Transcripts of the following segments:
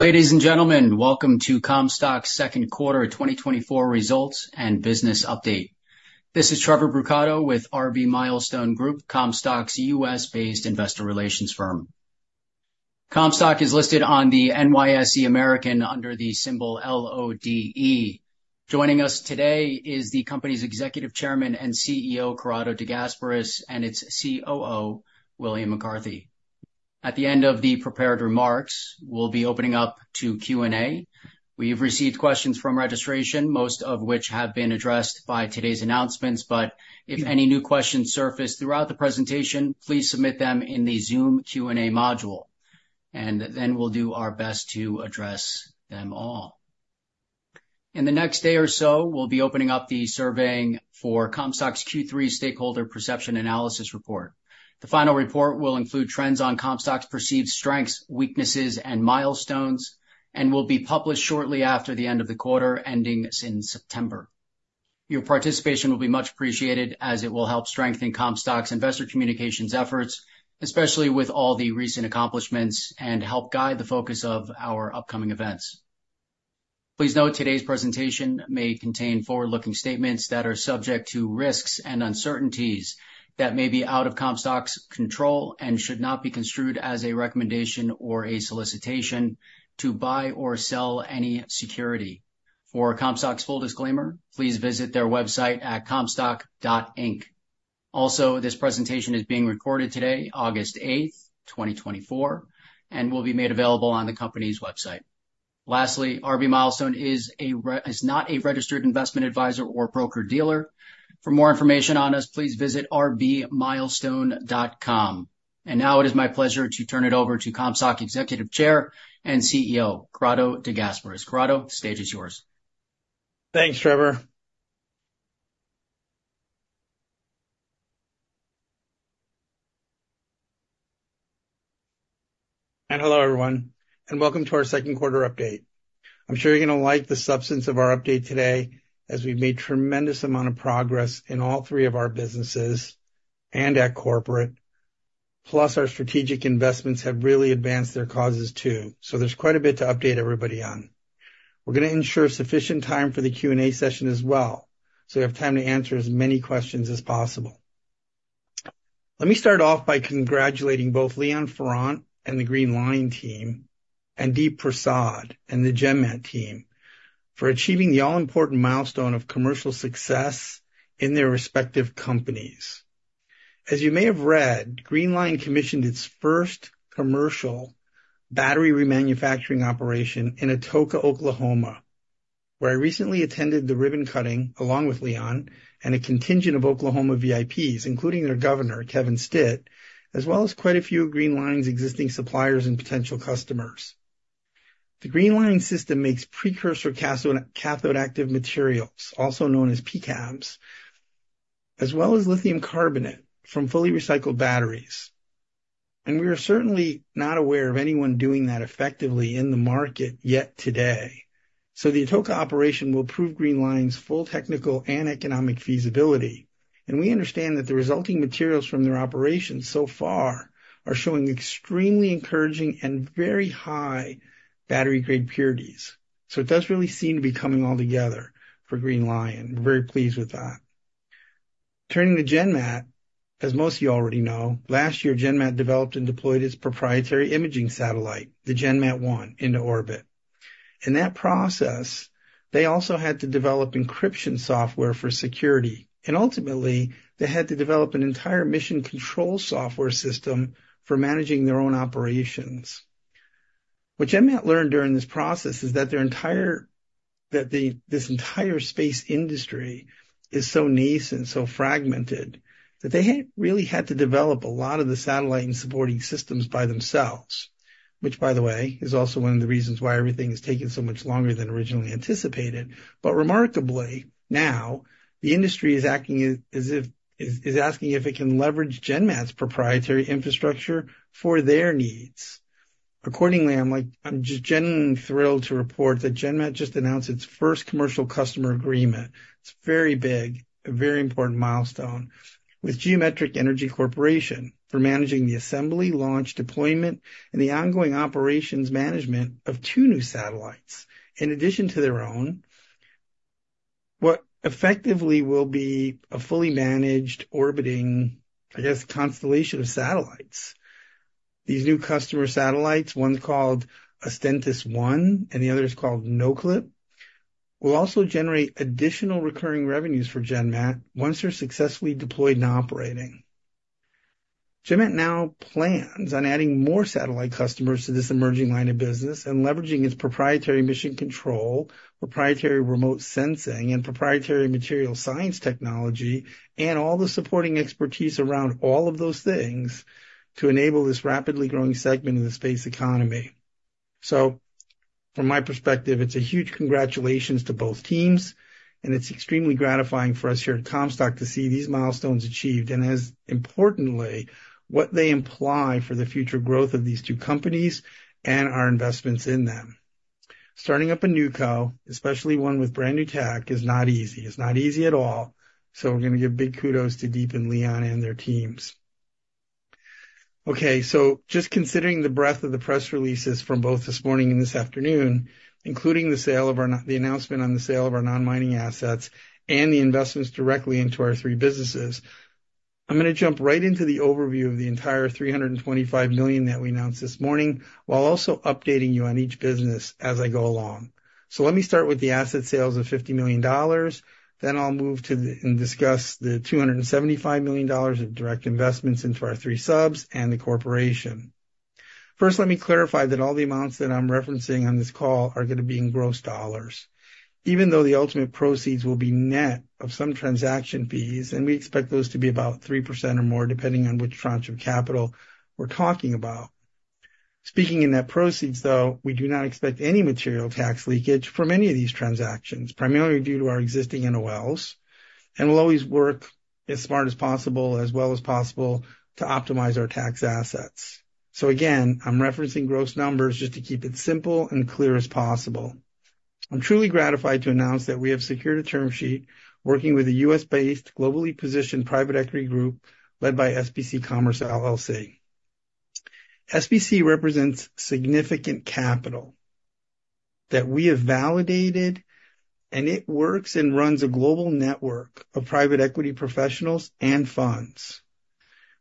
Ladies and gentlemen. Welcome to Comstock's second quarter of 2024 results and business update. This is Trevor Brucato with RB Milestone Group, Comstock's U.S.-based investor relations firm. Comstock is listed on the NYSE American under the symbol LODE. Joining us today is the company's Executive Chairman and CEO, Corrado De Gasperis, and its COO, William McCarthy. At the end of the prepared remarks, we'll be opening up to Q&A. We've received questions from registration, most of which have been addressed by today's announcements. But if any new questions surface throughout the presentation, please submit them in the Zoom Q&A module, and then we'll do our best to address them all. In the next day or so, we'll be opening up the surveying for Comstock's Q3 stakeholder perception analysis report. The final report will include trends on Comstock's perceived strengths, weaknesses, and milestones and will be published shortly after the end of the quarter, ending in September. Your participation will be much appreciated as it will help strengthen Comstock's investor communications efforts, especially with all the recent accomplishments, and help guide the focus of our upcoming events. Please note, today's presentation may contain forward-looking statements that are subject to risks and uncertainties that may be out of Comstock's control and should not be construed as a recommendation or a solicitation to buy or sell any security. For Comstock's full disclaimer, please visit their website at comstock.inc. Also, this presentation is being recorded today, August 8th, 2024, and will be made available on the company's website. Lastly, RB Milestone is not a registered investment advisor or broker-dealer. For more information on us, please visit rbmilestone.com. Now it is my pleasure to turn it over to Comstock Executive Chair and CEO, Corrado De Gasperis. Corrado, the stage is yours. Thanks, Trevor. Hello, everyone, and welcome to our second quarter update. I'm sure you're gonna like the substance of our update today, as we've made tremendous amount of progress in all three of our businesses and at corporate. Plus, our strategic investments have really advanced their causes, too. There's quite a bit to update everybody on. We're gonna ensure sufficient time for the Q&A session as well, so we have time to answer as many questions as possible. Let me start off by congratulating both Leon Farrant and the Green Li-ion team, and Deep Prasad and the GenMat team for achieving the all-important milestone of commercial success in their respective companies. As you may have read, Green Li-ion commissioned its first commercial battery remanufacturing operation in Atoka, Oklahoma, where I recently attended the ribbon cutting, along with Leon and a contingent of Oklahoma VIPs, including their governor, Kevin Stitt, as well as quite a few of Green Li-ion's existing suppliers and potential customers. The Green Li-ion system makes precursor cathode active materials, also known as pCAMs, as well as lithium carbonate from fully recycled batteries. We are certainly not aware of anyone doing that effectively in the market yet today. The Atoka operation will prove Green Li-ion's full technical and economic feasibility, and we understand that the resulting materials from their operations so far are showing extremely encouraging and very high battery-grade purities. It does really seem to be coming all together for Green Li-ion. We're very pleased with that. Turning to GenMat, as most of you already know. Last year, GenMat developed and deployed its proprietary imaging satellite, the GENMAT-1, into orbit. In that process, they also had to develop encryption software for security. And ultimately, they had to develop an entire mission control software system for managing their own operations. What GenMat learned during this process is that this entire space industry is so nascent and so fragmented, that they really had to develop a lot of the satellite and supporting systems by themselves. Which by the way, is also one of the reasons why everything is taking so much longer than originally anticipated. But remarkably, now, the industry is acting as if it is asking if it can leverage GenMat's proprietary infrastructure for their needs. Accordingly, I'm, like, just genuinely thrilled to report that GenMat just announced its first commercial customer agreement. It's very big, a very important milestone with Geometric Energy Corporation for managing the assembly, launch, deployment, and the ongoing operations management of two new satellites. In addition to their own, what effectively will be a fully managed, orbiting, I guess, constellation of satellites. These new customer satellites, one called Astantis-1 and the other is called NOCLIP, will also generate additional recurring revenues for GenMat once they're successfully deployed and operating. GenMat now plans on adding more satellite customers to this emerging line of business and leveraging its proprietary mission control, proprietary remote sensing, and proprietary material science technology. And all the supporting expertise around all of those things to enable this rapidly growing segment of the space economy. So from my perspective, it's a huge congratulations to both teams, and it's extremely gratifying for us here at Comstock to see these milestones achieved. And as importantly, what they imply for the future growth of these two companies and our investments in them. Starting up a new co, especially one with brand-new tech, is not easy. It's not easy at all. So we're gonna give big kudos to Deep and Leon and their teams. Okay, so just considering the breadth of the press releases from both this morning and this afternoon, including the announcement on the sale of our non-mining assets and the investments directly into our three businesses. I'm gonna jump right into the overview of the entire $325 million that we announced this morning, while also updating you on each business as I go along. So let me start with the asset sales of $50 million, then I'll move to the, and discuss the $275 million of direct investments into our three subs and the corporation. First, let me clarify that all the amounts that I'm referencing on this call are gonna be in gross dollars. Even though the ultimate proceeds will be net of some transaction fees. And we expect those to be about 3% or more, depending on which tranche of capital we're talking about. Speaking in net proceeds, though, we do not expect any material tax leakage from any of these transactions, primarily due to our existing NOLs. And we'll always work as smart as possible, as well as possible, to optimize our tax assets. So again, I'm referencing gross numbers just to keep it simple and clear as possible. I'm truly gratified to announce that we have secured a term sheet working with a U.S.-based, globally positioned private equity group led by SBC Commerce LLC. SBC represents significant capital that we have validated, and it works and runs a global network of private equity professionals and funds.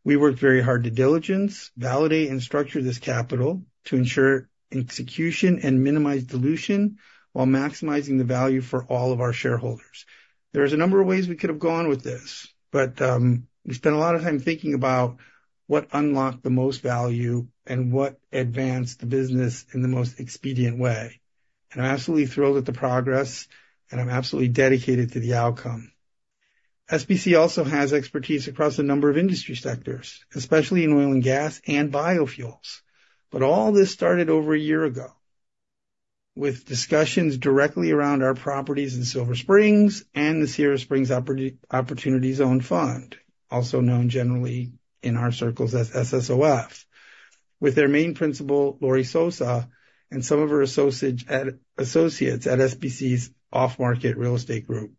We worked very hard to diligence, validate, and structure this capital to ensure execution and minimize dilution while maximizing the value for all of our shareholders. There's a number of ways we could have gone with this, but, we spent a lot of time thinking about what unlocked the most value and what advanced the business in the most expedient way. I'm absolutely thrilled with the progress, and I'm absolutely dedicated to the outcome. SBC also has expertise across a number of industry sectors, especially in oil and gas and biofuels. But all this started over a year ago with discussions directly around our properties in Silver Springs and the Sierra Springs Opportunity Zone Fund, also known generally in our circles as SSOF, with their main principal, Lori Sosa, and some of her associates at SBC's off-market real estate group.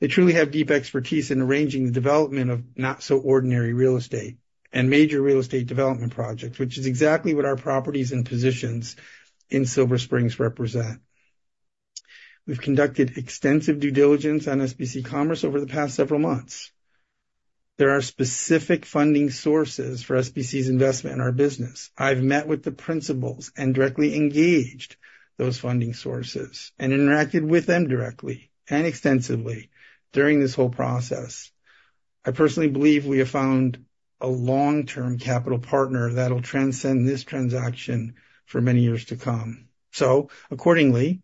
They truly have deep expertise in arranging the development of not so ordinary real estate and major real estate development projects, which is exactly what our properties and positions in Silver Springs represent. We've conducted extensive due diligence on SBC Commerce over the past several months. There are specific funding sources for SBC's investment in our business. I've met with the principals and directly engaged those funding sources and interacted with them directly and extensively during this whole process. I personally believe we have found a long-term capital partner that'll transcend this transaction for many years to come. So accordingly,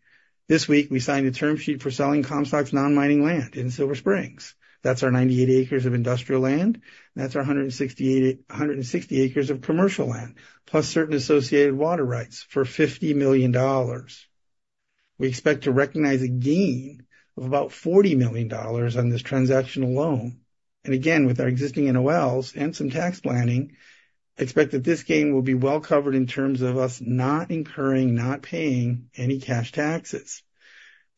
this week, we signed a term sheet for selling Comstock's non-mining land in Silver Springs. That's our 98 acres of industrial land. That's our 160 acres of commercial land, plus certain associated water rights for $50 million. We expect to recognize a gain of about $40 million on this transaction alone. And again, with our existing NOLs and some tax planning, expect that this gain will be well covered in terms of us not incurring, not paying any cash taxes.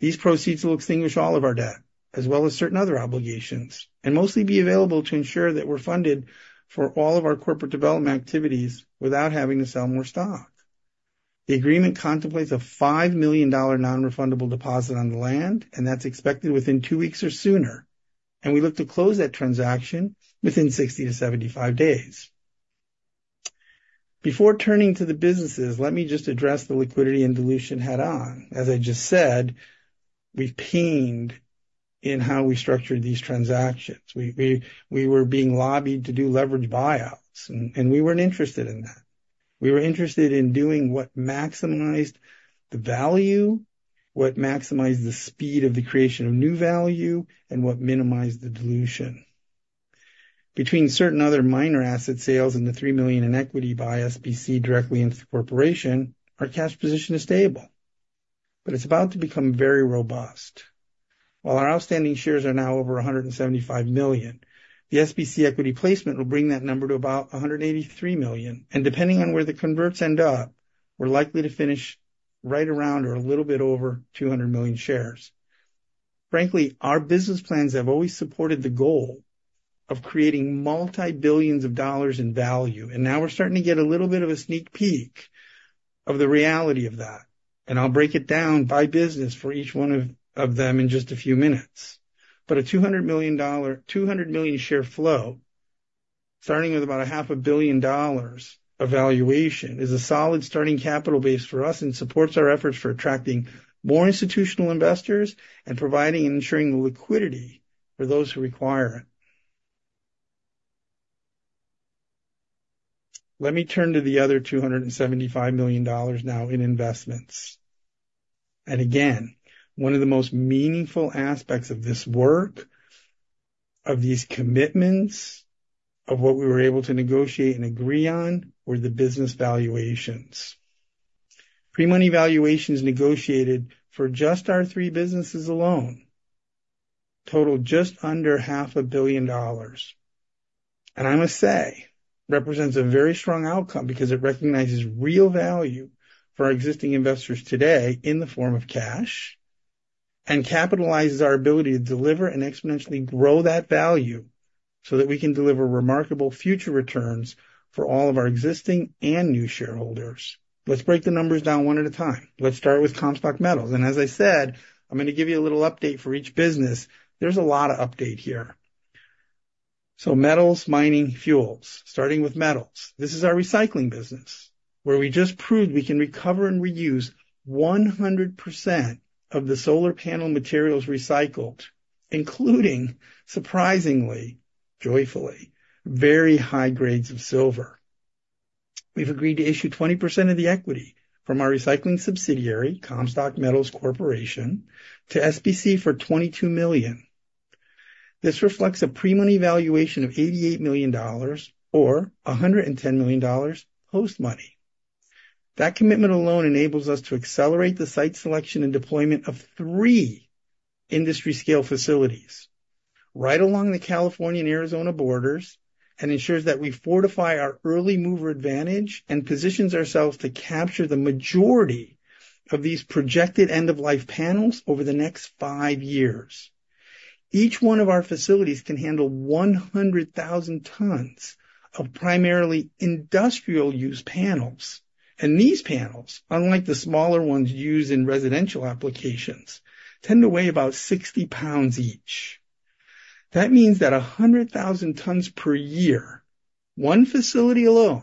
These proceeds will extinguish all of our debt as well as certain other obligations. And mostly be available to ensure that we're funded for all of our corporate development activities without having to sell more stock. The agreement contemplates a $5 million non-refundable deposit on the land, and that's expected within two weeks or sooner. And we look to close that transaction within 60 days-75 days. Before turning to the businesses, let me just address the liquidity and dilution head-on. As I just said, we've pinged in how we structured these transactions. We were being lobbied to do leveraged buyouts, and we weren't interested in that. We were interested in doing what maximized the value, what maximized the speed of the creation of new value, and what minimized the dilution. Between certain other minor asset sales and the $3 million in equity by SBC directly into the corporation, our cash position is stable, but it's about to become very robust. While our outstanding shares are now over 175 million shares., the SBC equity placement will bring that number to about 183 million. And depending on where the converts end up, we're likely to finish right around or a little bit over 200 million shares. Frankly, our business plans have always supported the goal of creating multi-billions of dollars in value, and now we're starting to get a little bit of a sneak peek of the reality of that. And I'll break it down by business for each one of them in just a few minutes. But a $200 million, 200 million share flow, starting with about $500 million of valuation, is a solid starting capital base for us and supports our efforts for attracting more institutional investors and providing and ensuring the liquidity for those who require it. Let me turn to the other $275 million dollars now in investments. And again, one of the most meaningful aspects of this work, of these commitments, of what we were able to negotiate and agree on were the business valuations. Pre-money valuations negotiated for just our three businesses alone total just under $500 million. And I must say, represents a very strong outcome because it recognizes real value for our existing investors today in the form of cash.... It capitalizes our ability to deliver and exponentially grow that value so that we can deliver remarkable future returns for all of our existing and new shareholders. Let's break the numbers down one at a time. Let's start with Comstock Metals, and as I said, I'm gonna give you a little update for each business. There's a lot of update here. So metals, mining, fuels. Starting with metals. This is our recycling business, where we just proved we can recover and reuse 100% of the solar panel materials recycled, including, surprisingly, joyfully, very high grades of silver. We've agreed to issue 20% of the equity from our recycling subsidiary, Comstock Metals Corporation, to SBC for $22 million. This reflects a pre-money valuation of $88 million or $110 million post-money. That commitment alone enables us to accelerate the site selection and deployment of three industry scale facilities right along the California and Arizona borders. And ensures that we fortify our early mover advantage and positions ourselves to capture the majority of these projected end-of-life panels over the next five years. Each one of our facilities can handle 100,000 tons of primarily industrial use panels. And these panels, unlike the smaller ones used in residential applications, tend to weigh about 60 pounds each. That means that 100,000 tons per year, one facility alone,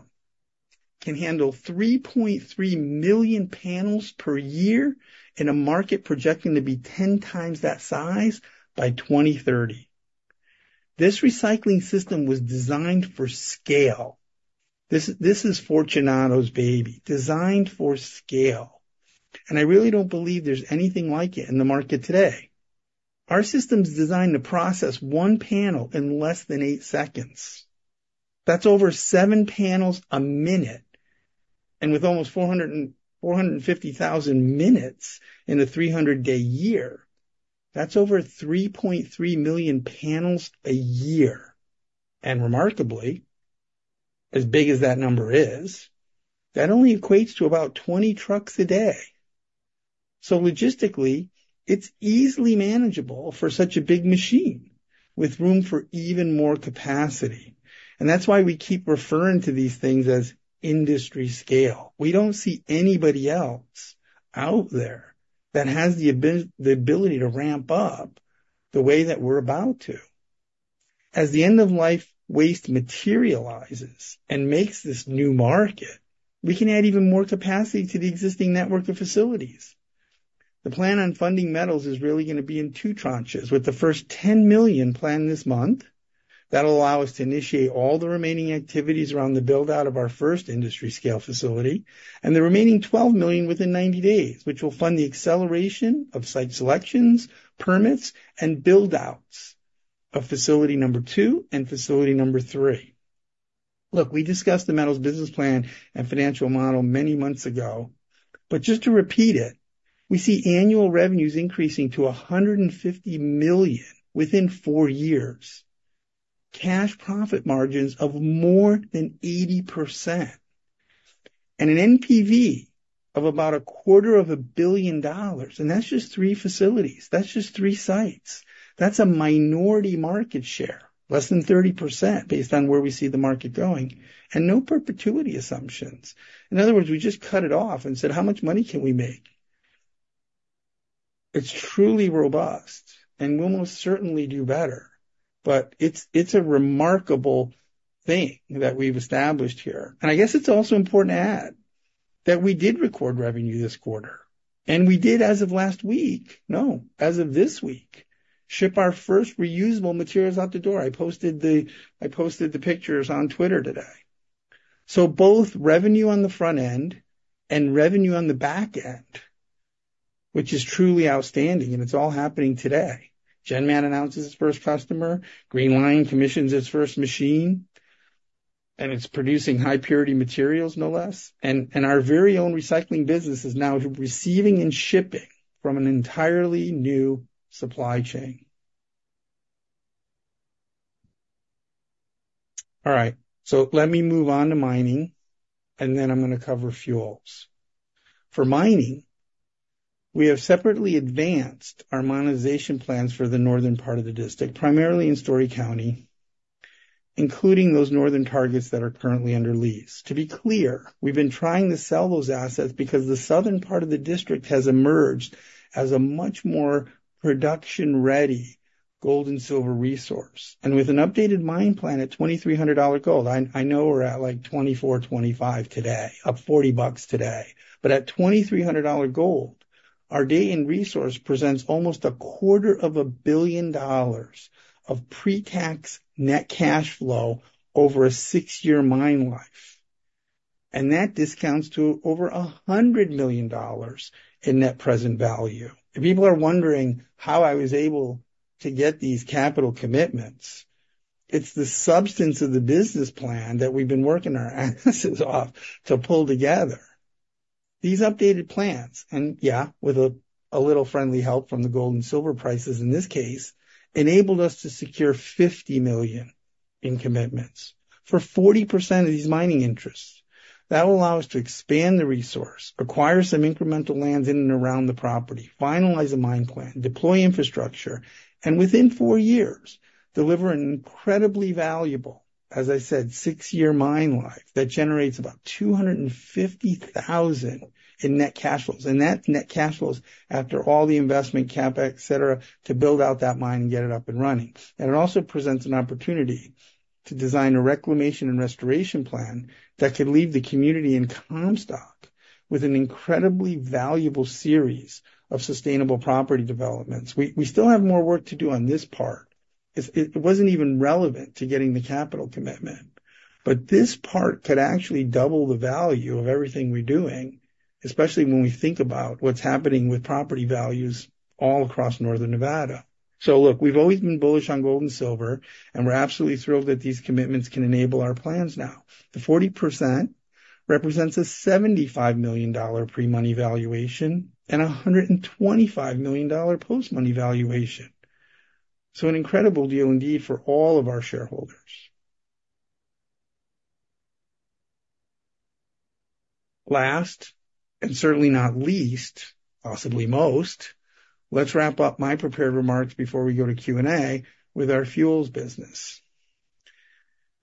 can handle 3.3 million panels per year in a market projecting to be 10x that size by 2030. This recycling system was designed for scale. This, this is Fortunato's baby, designed for scale. And I really don't believe there's anything like it in the market today. Our system's designed to process one panel in less than 8 seconds. That's over 7 panels a minute, and with almost 450,000 minutes in a 300-day year, that's over 3.3 million panels a year. And remarkably, as big as that number is, that only equates to about 20 trucks a day. So logistically, it's easily manageable for such a big machine, with room for even more capacity. And that's why we keep referring to these things as industry scale. We don't see anybody else out there that has the ability to ramp up the way that we're about to. As the end of life waste materializes and makes this new market, we can add even more capacity to the existing network of facilities. The plan on funding metals is really gonna be in two tranches, with the first $10 million planned this month. That'll allow us to initiate all the remaining activities around the build-out of our first industry scale facility and the remaining $12 million within 90 days, which will fund the acceleration of site selections, permits, and build-outs of facility number two and facility number three. Look, we discussed the metals business plan and financial model many months ago. But just to repeat it, we see annual revenues increasing to $150 million within four years. Cash profit margins of more than 80%, and an NPV of about $250 million. That's just three facilities. That's just three sites. That's a minority market share, less than 30% based on where we see the market going, and no perpetuity assumptions. In other words, we just cut it off and said, "How much money can we make?" It's truly robust, and we'll most certainly do better. But it's a remarkable thing that we've established here. I guess it's also important to add that we did record revenue this quarter. And we did as of last week, no, as of this week. Ship our first reusable materials out the door. I posted the pictures on Twitter today. So both revenue on the front end and revenue on the back end, which is truly outstanding, and it's all happening today. GenMat announces its first customer, Green Li-ion commissions its first machine, and it's producing high purity materials, no less. And our very own recycling business is now receiving and shipping from an entirely new supply chain. All right, so let me move on to mining, and then I'm gonna cover fuels. For mining, we have separately advanced our monetization plans for the northern part of the district, primarily in Storey County, including those northern targets that are currently under lease. To be clear, we've been trying to sell those assets because the southern part of the district has emerged as a much more production-ready gold and silver resource. And with an updated mine plan at $2,300 gold, I, I know we're at, like, $2,400-$2,500 today, up $40 today. But at $2,300 gold, our Dayton resource presents almost $250 million of pre-tax net cash flow over a six-year mine life, and that discounts to over $100 million in net present value. If people are wondering how I was able to get these capital commitments, it's the substance of the business plan that we've been working our asses off to pull together. These updated plans, and yeah, with a little friendly help from the gold and silver prices in this case, enabled us to secure $50 million in commitments for 40% of these mining interests. That will allow us to expand the resource, acquire some incremental lands in and around the property, finalize a mine plan, deploy infrastructure, and within four years, deliver an incredibly valuable, as I said, 6-year mine life that generates about $250,000 in net cash flows. That's net cash flows after all the investment, CapEx, et cetera, to build out that mine and get it up and running. It also presents an opportunity to design a reclamation and restoration plan that could leave the community in Comstock with an incredibly valuable series of sustainable property developments. We, we still have more work to do on this part. It, it wasn't even relevant to getting the capital commitment, but this part could actually double the value of everything we're doing, especially when we think about what's happening with property values all across Northern Nevada. So look, we've always been bullish on gold and silver, and we're absolutely thrilled that these commitments can enable our plans now. The 40% represents a $75 million pre-money valuation and a $125 million post-money valuation. So an incredible deal indeed for all of our shareholders. Last, and certainly not least, possibly most, let's wrap up my prepared remarks before we go to Q&A with our fuels business.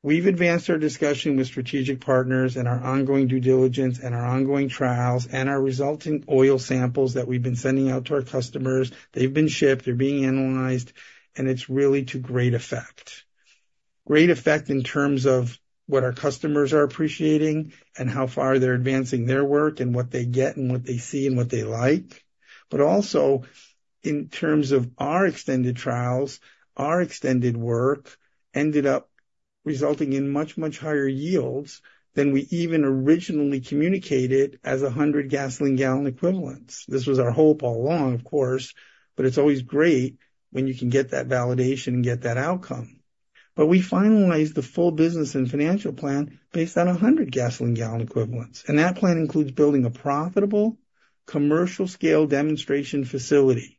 We've advanced our discussion with strategic partners and our ongoing due diligence and our ongoing trials and our resulting oil samples that we've been sending out to our customers. They've been shipped, they're being analyzed, and it's really to great effect. Great effect in terms of what our customers are appreciating and how far they're advancing their work, and what they get and what they see and what they like. But also in terms of our extended trials, our extended work ended up resulting in much, much higher yields than we even originally communicated as 100 GGE. This was our hope all along, of course, but it's always great when you can get that validation and get that outcome. But we finalized the full business and financial plan based on 100 GGE, and that plan includes building a profitable commercial scale demonstration facility.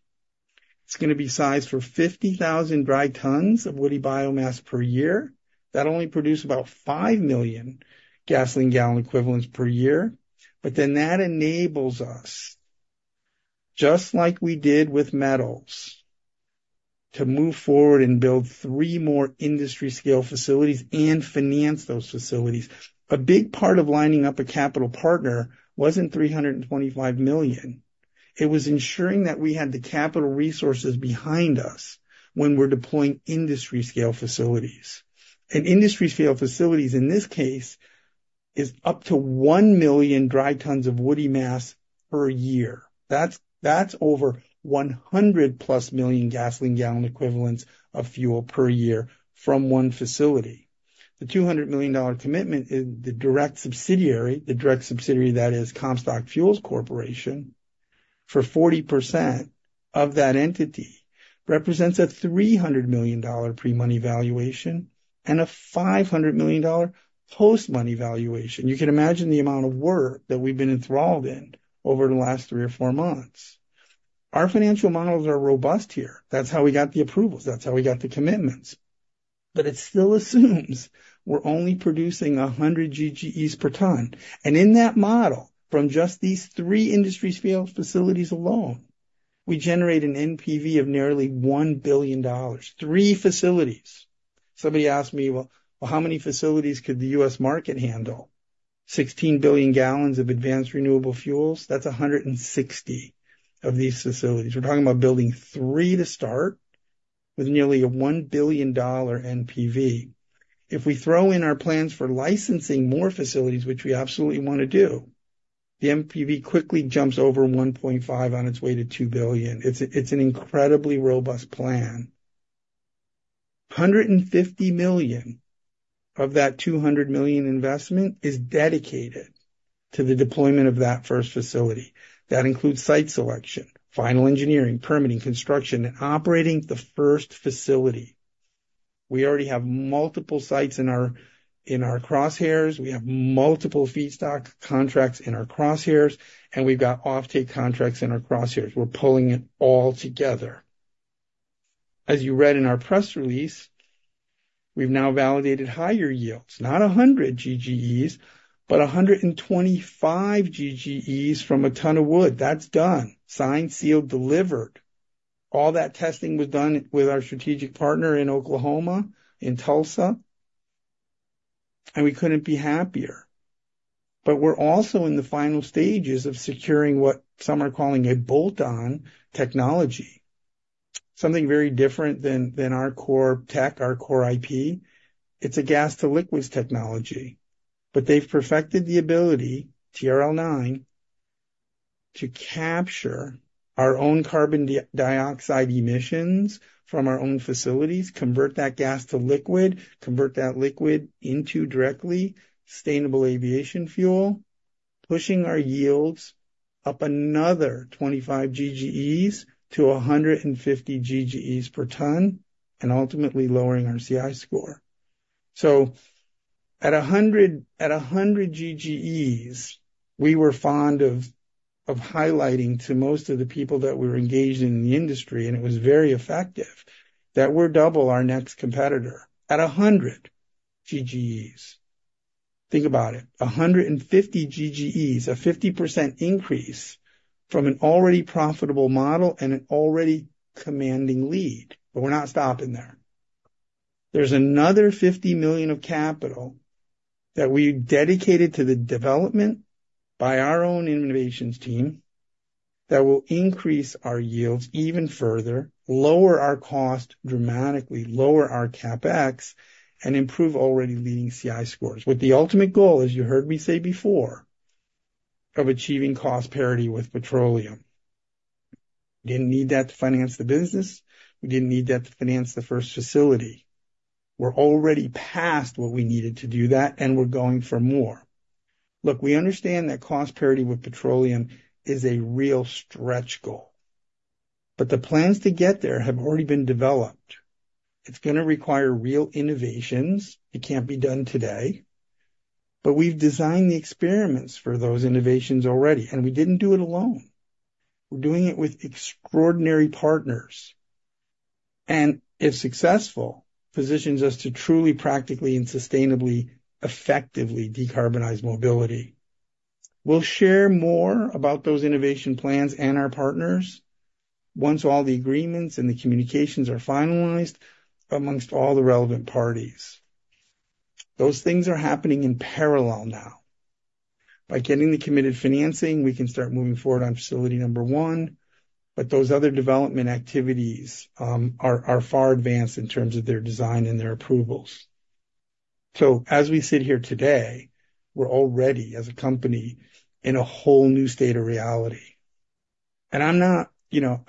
It's gonna be sized for 50,000 dry tons of woody biomass per year. That'll only produce about 5 million GGE per year. But then that enables us, just like we did with metals, to move forward and build three more industry scale facilities and finance those facilities. A big part of lining up a capital partner wasn't $325 million. It was ensuring that we had the capital resources behind us when we're deploying industry scale facilities. And industry scale facilities in this case is up to 1 million dry tons of woody mass per year. That's, that's over 100+ million GGE of fuel per year from one facility. The $200 million commitment in the direct subsidiary. The direct subsidiary, that is Comstock Fuels Corporation, for 40% of that entity, represents a $300 million pre-money valuation and a $500 million post-money valuation. You can imagine the amount of work that we've been enthralled in over the last three months-four months. Our financial models are robust here. That's how we got the approvals, that's how we got the commitments, but it still assumes we're only producing 100 GGEs per ton. And in that model, from just these three industry scale facilities alone, we generate an NPV of nearly $1 billion, three facilities. Somebody asked me, "Well, how many facilities could the U.S. market handle?" 16 billion gallons of advanced renewable fuels, that's 160 of these facilities. We're talking about building three to start with nearly a $1 billion NPV. If we throw in our plans for licensing more facilities, which we absolutely want to do. The NPV quickly jumps over $1.5 billion on its way to $2 billion. It's, it's an incredibly robust plan. $150 million of that $200 million investment is dedicated to the deployment of that first facility. That includes site selection, final engineering, permitting, construction, and operating the first facility. We already have multiple sites in our, in our crosshairs. We have multiple feedstock contracts in our crosshairs, and we've got offtake contracts in our crosshairs. We're pulling it all together. As you read in our press release, we've now validated higher yields, not 100 GGEs, but 125 GGEs from a ton of wood. That's done, signed, sealed, delivered. All that testing was done with our strategic partner in Oklahoma, in Tulsa, and we couldn't be happier. But we're also in the final stages of securing what some are calling a bolt-on technology, something very different than, than our core tech, our core IP. It's a gas to liquids technology, but they've perfected the ability, TRL 9, to capture our own carbon dioxide emissions from our own facilities, convert that gas to liquid, convert that liquid into directly sustainable aviation fuel, pushing our yields up another 25 GGEs to 150 GGEs per ton, and ultimately lowering our CI score. So, at 100 GGEs, we were fond of highlighting to most of the people that we were engaged in the industry, and it was very effective, that we're double our next competitor at 100 GGEs. Think about it, 150 GGEs, a 50% increase from an already profitable model and an already commanding lead. But we're not stopping there. There's another $50 million of capital that we dedicated to the development by our own innovations team that will increase our yields even further, lower our cost dramatically, lower our CapEx, and improve already leading CI scores, with the ultimate goal, as you heard me say before, of achieving cost parity with petroleum. Didn't need that to finance the business. We didn't need that to finance the first facility. We're already past what we needed to do that, and we're going for more. Look, we understand that cost parity with petroleum is a real stretch goal, but the plans to get there have already been developed. It's gonna require real innovations. It can't be done today, but we've designed the experiments for those innovations already, and we didn't do it alone. We're doing it with extraordinary partners, and if successful, positions us to truly, practically, and sustainably, effectively decarbonize mobility. We'll share more about those innovation plans and our partners once all the agreements and the communications are finalized amongst all the relevant parties. Those things are happening in parallel now. By getting the committed financing, we can start moving forward on facility number one, but those other development activities are far advanced in terms of their design and their approvals. So as we sit here today, we're already, as a company, in a whole new state of reality. And I'm not, you know,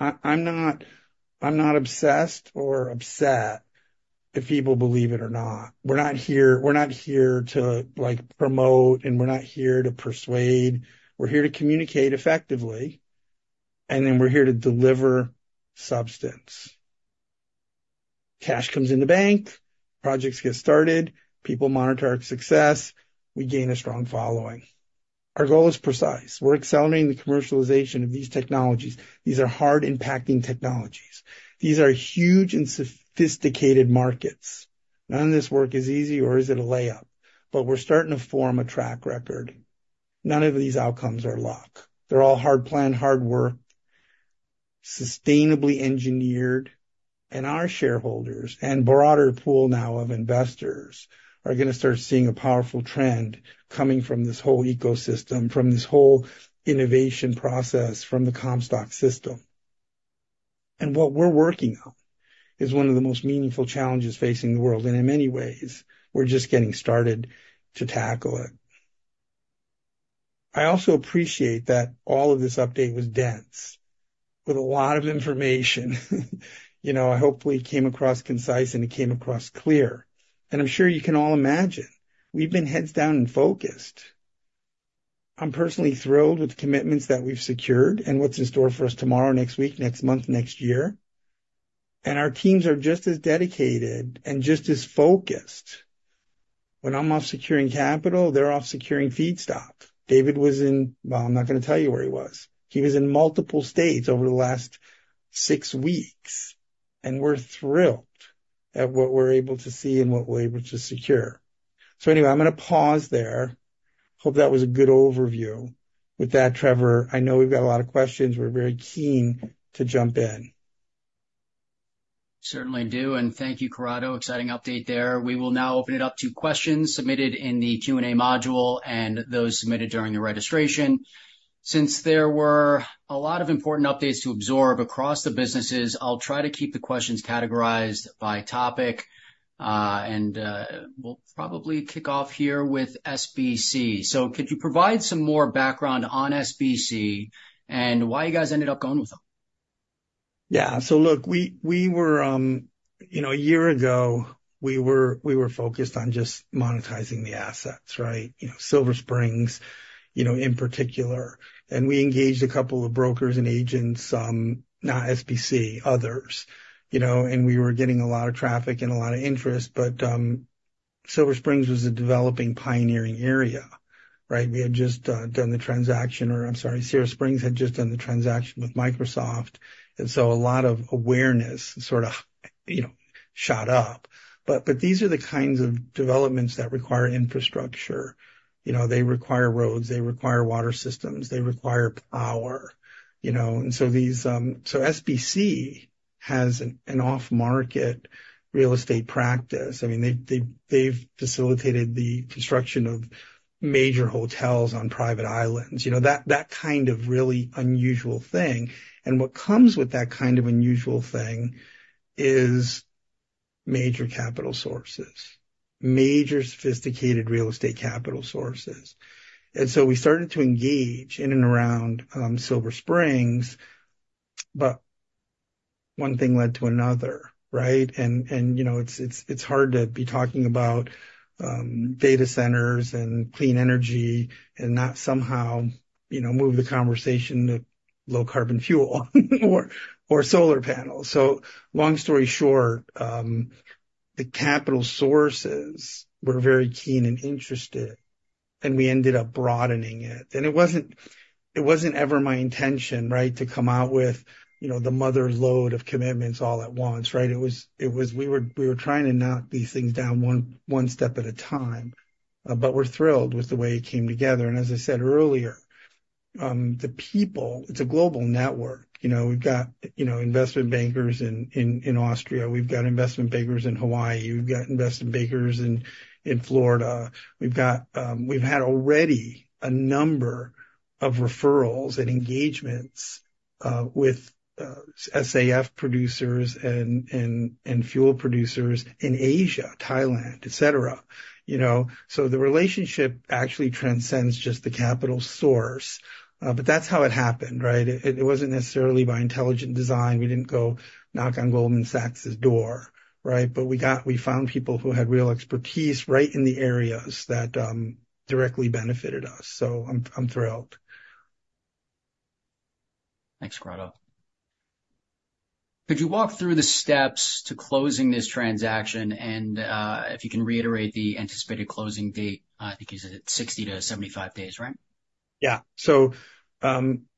obsessed or upset if people believe it or not. We're not here, we're not here to, like, promote, and we're not here to persuade. We're here to communicate effectively, and then we're here to deliver substance. Cash comes in the bank, projects get started, people monitor our success, we gain a strong following. Our goal is precise. We're accelerating the commercialization of these technologies. These are hard-impacting technologies. These are huge and sophisticated markets. None of this work is easy or is it a layup, but we're starting to form a track record. None of these outcomes are luck. They're all hard planned, hard work, sustainably engineered, and our shareholders and broader pool now of investors are gonna start seeing a powerful trend coming from this whole ecosystem, from this whole innovation process, from the Comstock system. And what we're working on is one of the most meaningful challenges facing the world, and in many ways, we're just getting started to tackle it. I also appreciate that all of this update was dense, with a lot of information. You know, I hopefully came across concise and it came across clear. And I'm sure you can all imagine, we've been heads down and focused. I'm personally thrilled with the commitments that we've secured and what's in store for us tomorrow, next week, next month, next year, and our teams are just as dedicated and just as focused. When I'm off securing capital, they're off securing feedstock. David was in. Well, I'm not gonna tell you where he was. He was in multiple states over the last six weeks, and we're thrilled at what we're able to see and what we're able to secure. So anyway, I'm gonna pause there. Hope that was a good overview. With that, Trevor, I know we've got a lot of questions. We're very keen to jump in. Certainly do, and thank you, Corrado. Exciting update there. We will now open it up to questions submitted in the Q&A module and those submitted during the registration. Since there were a lot of important updates to absorb across the businesses, I'll try to keep the questions categorized by topic. And we'll probably kick off here with SBC. So could you provide some more background on SBC and why you guys ended up going with them? Yeah. So look, we were, you know, a year ago, we were focused on just monetizing the assets, right? You know, Silver Springs, you know, in particular, and we engaged a couple of brokers and agents, not SBC, others, you know, and we were getting a lot of traffic and a lot of interest. But, Silver Springs was a developing, pioneering area, right? We had just done the transaction, or I'm sorry, Silver Springs had just done the transaction with Microsoft, and so a lot of awareness sort of, you know, shot up. But, these are the kinds of developments that require infrastructure. You know, they require roads, they require water systems, they require power, you know, and so these. So SBC has an off-market real estate practice. I mean, they've facilitated the construction of major hotels on private islands, you know, that kind of really unusual thing. And what comes with that kind of unusual thing is major capital sources, major sophisticated real estate capital sources. And so we started to engage in and around Silver Springs, but one thing led to another, right? And you know, it's hard to be talking about data centers and clean energy and not somehow, you know, move the conversation to low carbon fuel or solar panels. So long story short, the capital sources were very keen and interested, and we ended up broadening it. And it wasn't ever my intention, right, to come out with, you know, the mother lode of commitments all at once, right? It was, we were trying to knock these things down one step at a time. But we're thrilled with the way it came together. And as I said earlier, the people, it's a global network. You know, we've got investment bankers in Austria. We've got investment bankers in Hawaii. We've got investment bankers in Florida. We've had already a number of referrals and engagements with SAF producers and fuel producers in Asia, Thailand, et cetera. You know, so the relationship actually transcends just the capital source. But that's how it happened, right? It wasn't necessarily by intelligent design. We didn't go knock on Goldman Sachs' door, right? But we found people who had real expertise right in the areas that directly benefited us. I'm thrilled. Thanks, Corrado. Could you walk through the steps to closing this transaction? And, if you can reiterate the anticipated closing date, I think you said it, 60 days-75 days, right? Yeah. So,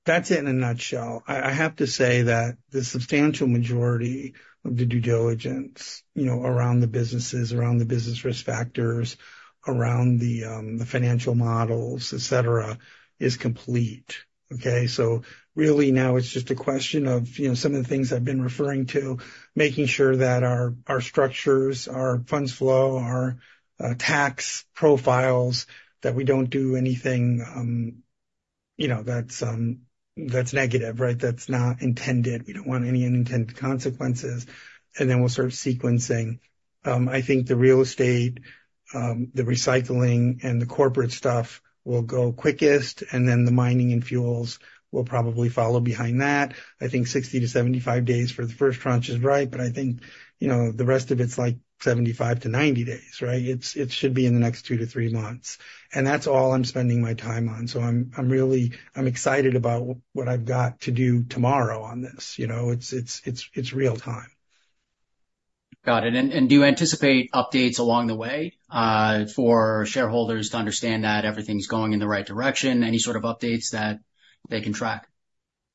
that's it in a nutshell. I, I have to say that the substantial majority of the due diligence, you know, around the businesses, around the business risk factors, around the, the financial models, et cetera, is complete, okay? So really now it's just a question of, you know, some of the things I've been referring to, making sure that our, our structures, our funds flow, our, tax profiles, that we don't do anything, you know, that's, that's negative, right? That's not intended. We don't want any unintended consequences. And then we'll start sequencing. I think the real estate, the recycling and the corporate stuff will go quickest, and then the mining and fuels will probably follow behind that. I think 60 days-75 days for the first tranche is right, but I think, you know, the rest of it's like 75 days-90 days, right? It should be in the next two months-three months. And that's all I'm spending my time on. So I'm really excited about what I've got to do tomorrow on this. You know, it's real time. Got it. And, do you anticipate updates along the way, for shareholders to understand that everything's going in the right direction? Any sort of updates that they can track?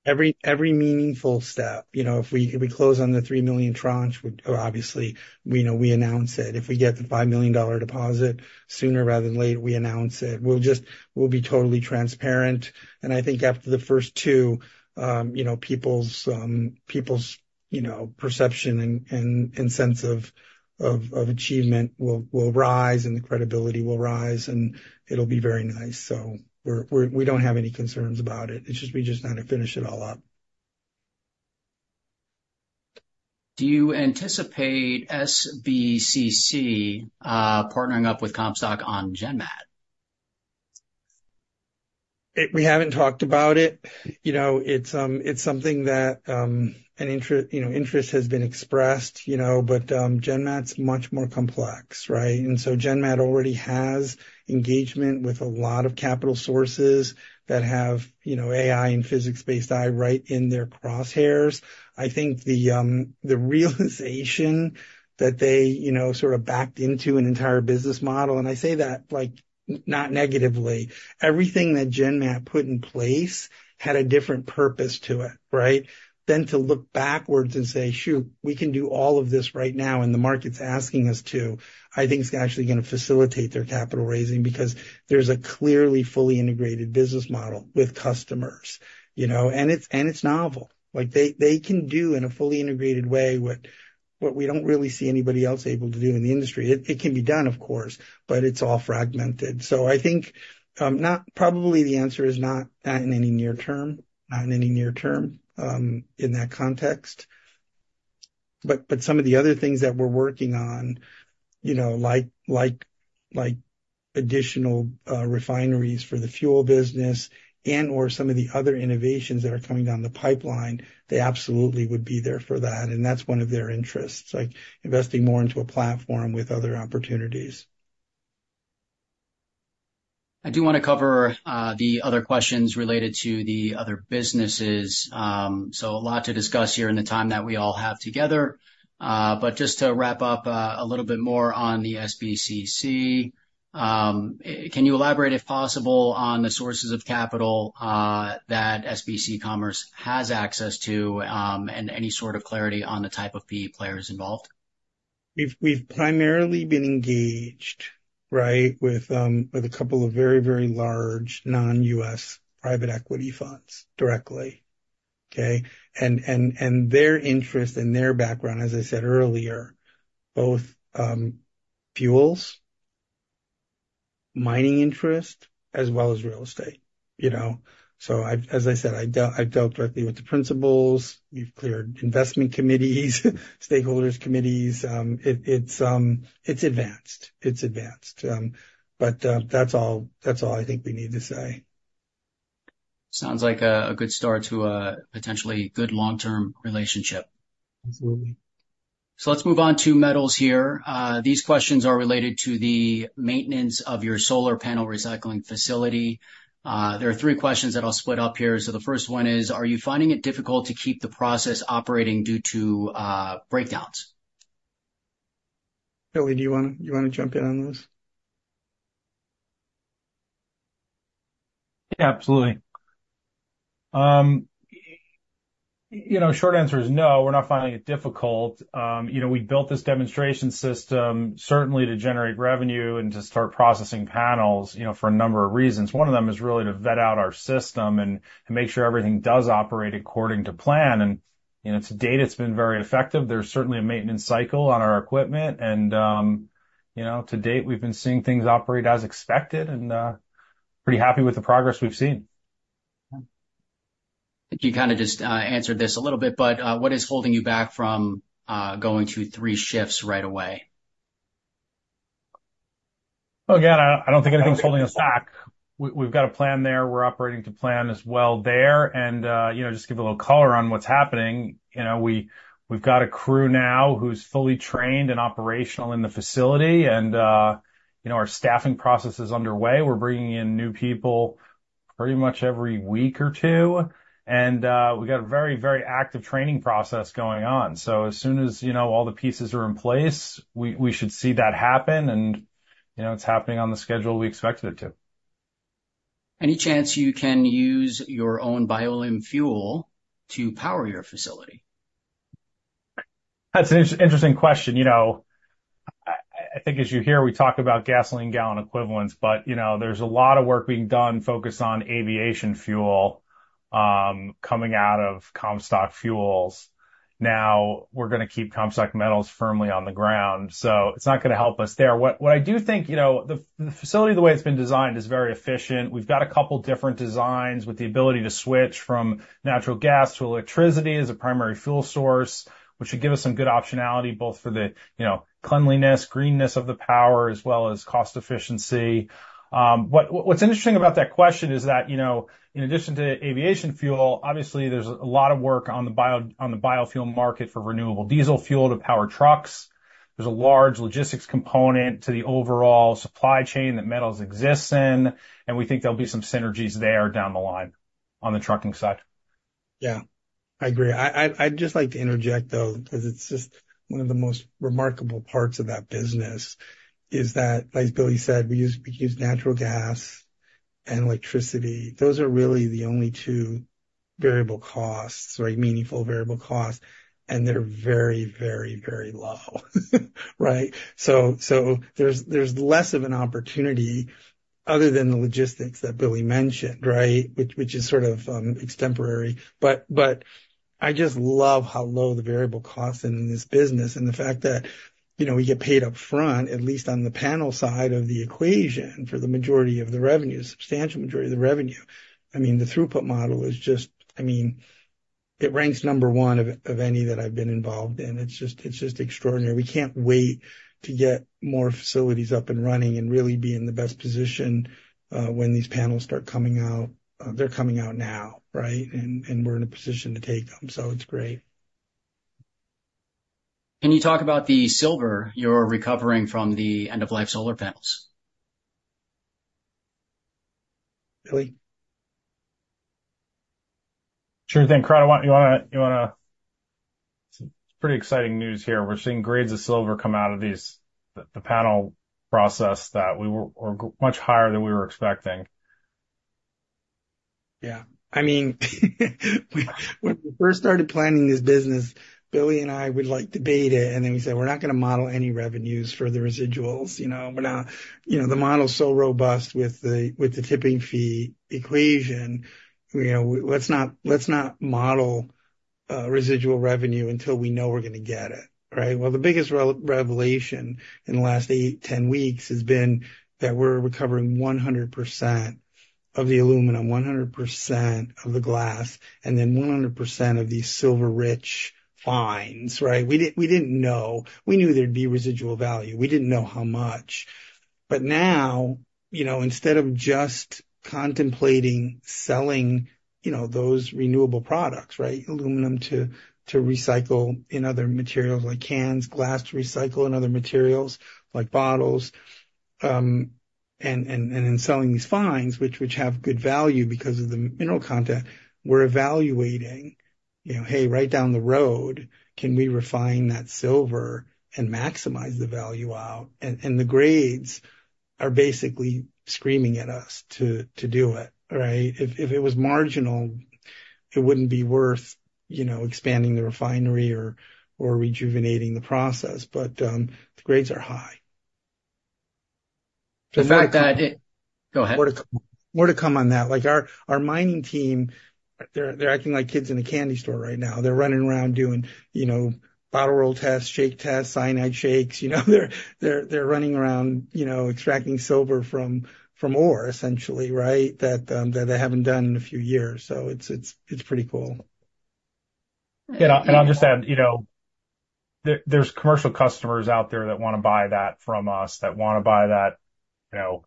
Every, every meaningful step. You know, if we close on the $3 million tranche, or obviously, we announce it. If we get the $5 million deposit sooner rather than later, we announce it. We'll just be totally transparent. And I think after the first two, you know, people's perception and sense of achievement will rise, and the credibility will rise, and it'll be very nice. So we're. We don't have any concerns about it. It's just, we just want to finish it all up. Do you anticipate SBC partnering up with Comstock on GenMat? It, we haven't talked about it. You know, it's something that, you know, interest has been expressed, you know, but, GenMat's much more complex, right? And so GenMat already has engagement with a lot of capital sources that have, you know, AI and physics-based AI right in their crosshairs. I think the realization that they, you know, sort of backed into an entire business model, and I say that, like, not negatively. Everything that GenMat put in place had a different purpose to it, right? Then to look backwards and say, "Shoot, we can do all of this right now, and the market's asking us to," I think it's actually gonna facilitate their capital raising because there's a clearly fully integrated business model with customers, you know, and it's, and it's novel. Like, they can do in a fully integrated way what we don't really see anybody else able to do in the industry. It can be done, of course, but it's all fragmented. So I think, not probably the answer is not in any near term in that context. But some of the other things that we're working on, you know, like additional refineries for the fuel business and/or some of the other innovations that are coming down the pipeline, they absolutely would be there for that, and that's one of their interests, like investing more into a platform with other opportunities. I do wanna cover the other questions related to the other businesses. So a lot to discuss here in the time that we all have together. But just to wrap up, a little bit more on the SBCC. Can you elaborate, if possible, on the sources of capital that SBC Commerce has access to, and any sort of clarity on the type of key players involved? We've primarily been engaged, right, with a couple of very, very large non-US private equity funds directly, okay? And their interest and their background, as I said earlier, both fuels, mining interest, as well as real estate, you know? So as I said, I've dealt directly with the principals. We've cleared investment committees, stakeholders' committees. It's advanced. It's advanced. But that's all, that's all I think we need to say. Sounds like a good start to a potentially good long-term relationship. Absolutely. So let's move on to metals here. These questions are related to the maintenance of your solar panel recycling facility. There are three questions that I'll split up here. So the first one is: Are you finding it difficult to keep the process operating due to breakdowns? Billy, do you wanna jump in on this? Yeah, absolutely. You know, short answer is no, we're not finding it difficult. You know, we built this demonstration system certainly to generate revenue and to start processing panels, you know, for a number of reasons. One of them is really to vet out our system and make sure everything does operate according to plan. You know, to date, it's been very effective. There's certainly a maintenance cycle on our equipment, and, you know, to date, we've been seeing things operate as expected, and pretty happy with the progress we've seen. I think you kinda just answered this a little bit, but what is holding you back from going to three shifts right away? Well, again, I don't think anything's holding us back. We've got a plan there. We're operating to plan as well there, and you know, just give a little color on what's happening. You know, we've got a crew now who's fully trained and operational in the facility, and you know, our staffing process is underway. We're bringing in new people pretty much every week or two, and we've got a very, very active training process going on. So as soon as you know, all the pieces are in place, we should see that happen, and you know, it's happening on the schedule we expected it to. Any chance you can use your own Bioleum fuel to power your facility? That's an interesting question. You know, I think as you hear, we talk about gasoline gallon equivalents, but, you know, there's a lot of work being done focused on aviation fuel, coming out of Comstock Fuels. Now, we're gonna keep Comstock Metals firmly on the ground, so it's not gonna help us there. What I do think, you know, the facility, the way it's been designed, is very efficient. We've got a couple different designs with the ability to switch from natural gas to electricity as a primary fuel source, which should give us some good optionality, both for the, you know, cleanliness, greenness of the power, as well as cost efficiency. What's interesting about that question is that, you know, in addition to aviation fuel, obviously there's a lot of work on the biofuel market for renewable diesel fuel to power trucks. There's a large logistics component to the overall supply chain that metals exists in, and we think there'll be some synergies there down the line on the trucking side. Yeah, I agree. I'd just like to interject, though. 'Cause it's just one of the most remarkable parts of that business, is that, as Billy said, we use natural gas and electricity. Those are really the only two variable costs, right, meaningful variable costs, and they're very, very, very low. Right? So there's less of an opportunity, other than the logistics that Billy mentioned, right, which is sort of extemporary. But I just love how low the variable costs are in this business, and the fact that, you know, we get paid upfront, at least on the panel side of the equation, for the majority of the revenue, a substantial majority of the revenue. I mean, the throughput model is just—I mean, it ranks number one of any that I've been involved in. It's just extraordinary. We can't wait to get more facilities up and running and really be in the best position, when these panels start coming out. They're coming out now, right? And, and we're in a position to take them, so it's great. Can you talk about the silver you're recovering from the end-of-life solar panels? Billy? Sure thing. Corrado, you wanna... It's pretty exciting news here. We're seeing grades of silver come out of these, the panel process, that we were much higher than we were expecting. Yeah. I mean, when we first started planning this business, Billy and I, we'd like, debate it. And then we said, "We're not gonna model any revenues for the residuals. You know, we're not, you know, the model's so robust with the, with the tipping fee equation, you know, let's not, let's not model residual revenue until we know we're gonna get it," right? Well, the biggest revelation in the last eight weeks-10 weeks has been that we're recovering 100% of the aluminum, 100% of the glass, and then 100% of these silver-rich fines, right? We didn't, we didn't know. We knew there'd be residual value, we didn't know how much. But now, you know, instead of just contemplating selling, you know, those renewable products, right, aluminum to recycle in other materials like cans, glass to recycle in other materials like bottles, and then selling these fines, which have good value because of the mineral content, we're evaluating, you know, hey, right down the road, can we refine that silver and maximize the value out? And the grades are basically screaming at us to do it, right? If it was marginal, it wouldn't be worth, you know, expanding the refinery or rejuvenating the process, but the grades are high. The fact that... Go ahead. More to come on that. Like, our mining team, they're acting like kids in a candy store right now. They're running around doing, you know, bottle roll tests, shake tests, cyanide shakes. You know, they're running around, you know, extracting silver from ore, essentially, right, that they haven't done in a few years. So it's pretty cool. Yeah, and I'll just add, you know, there, there's commercial customers out there that wanna buy that from us, that wanna buy that, you know,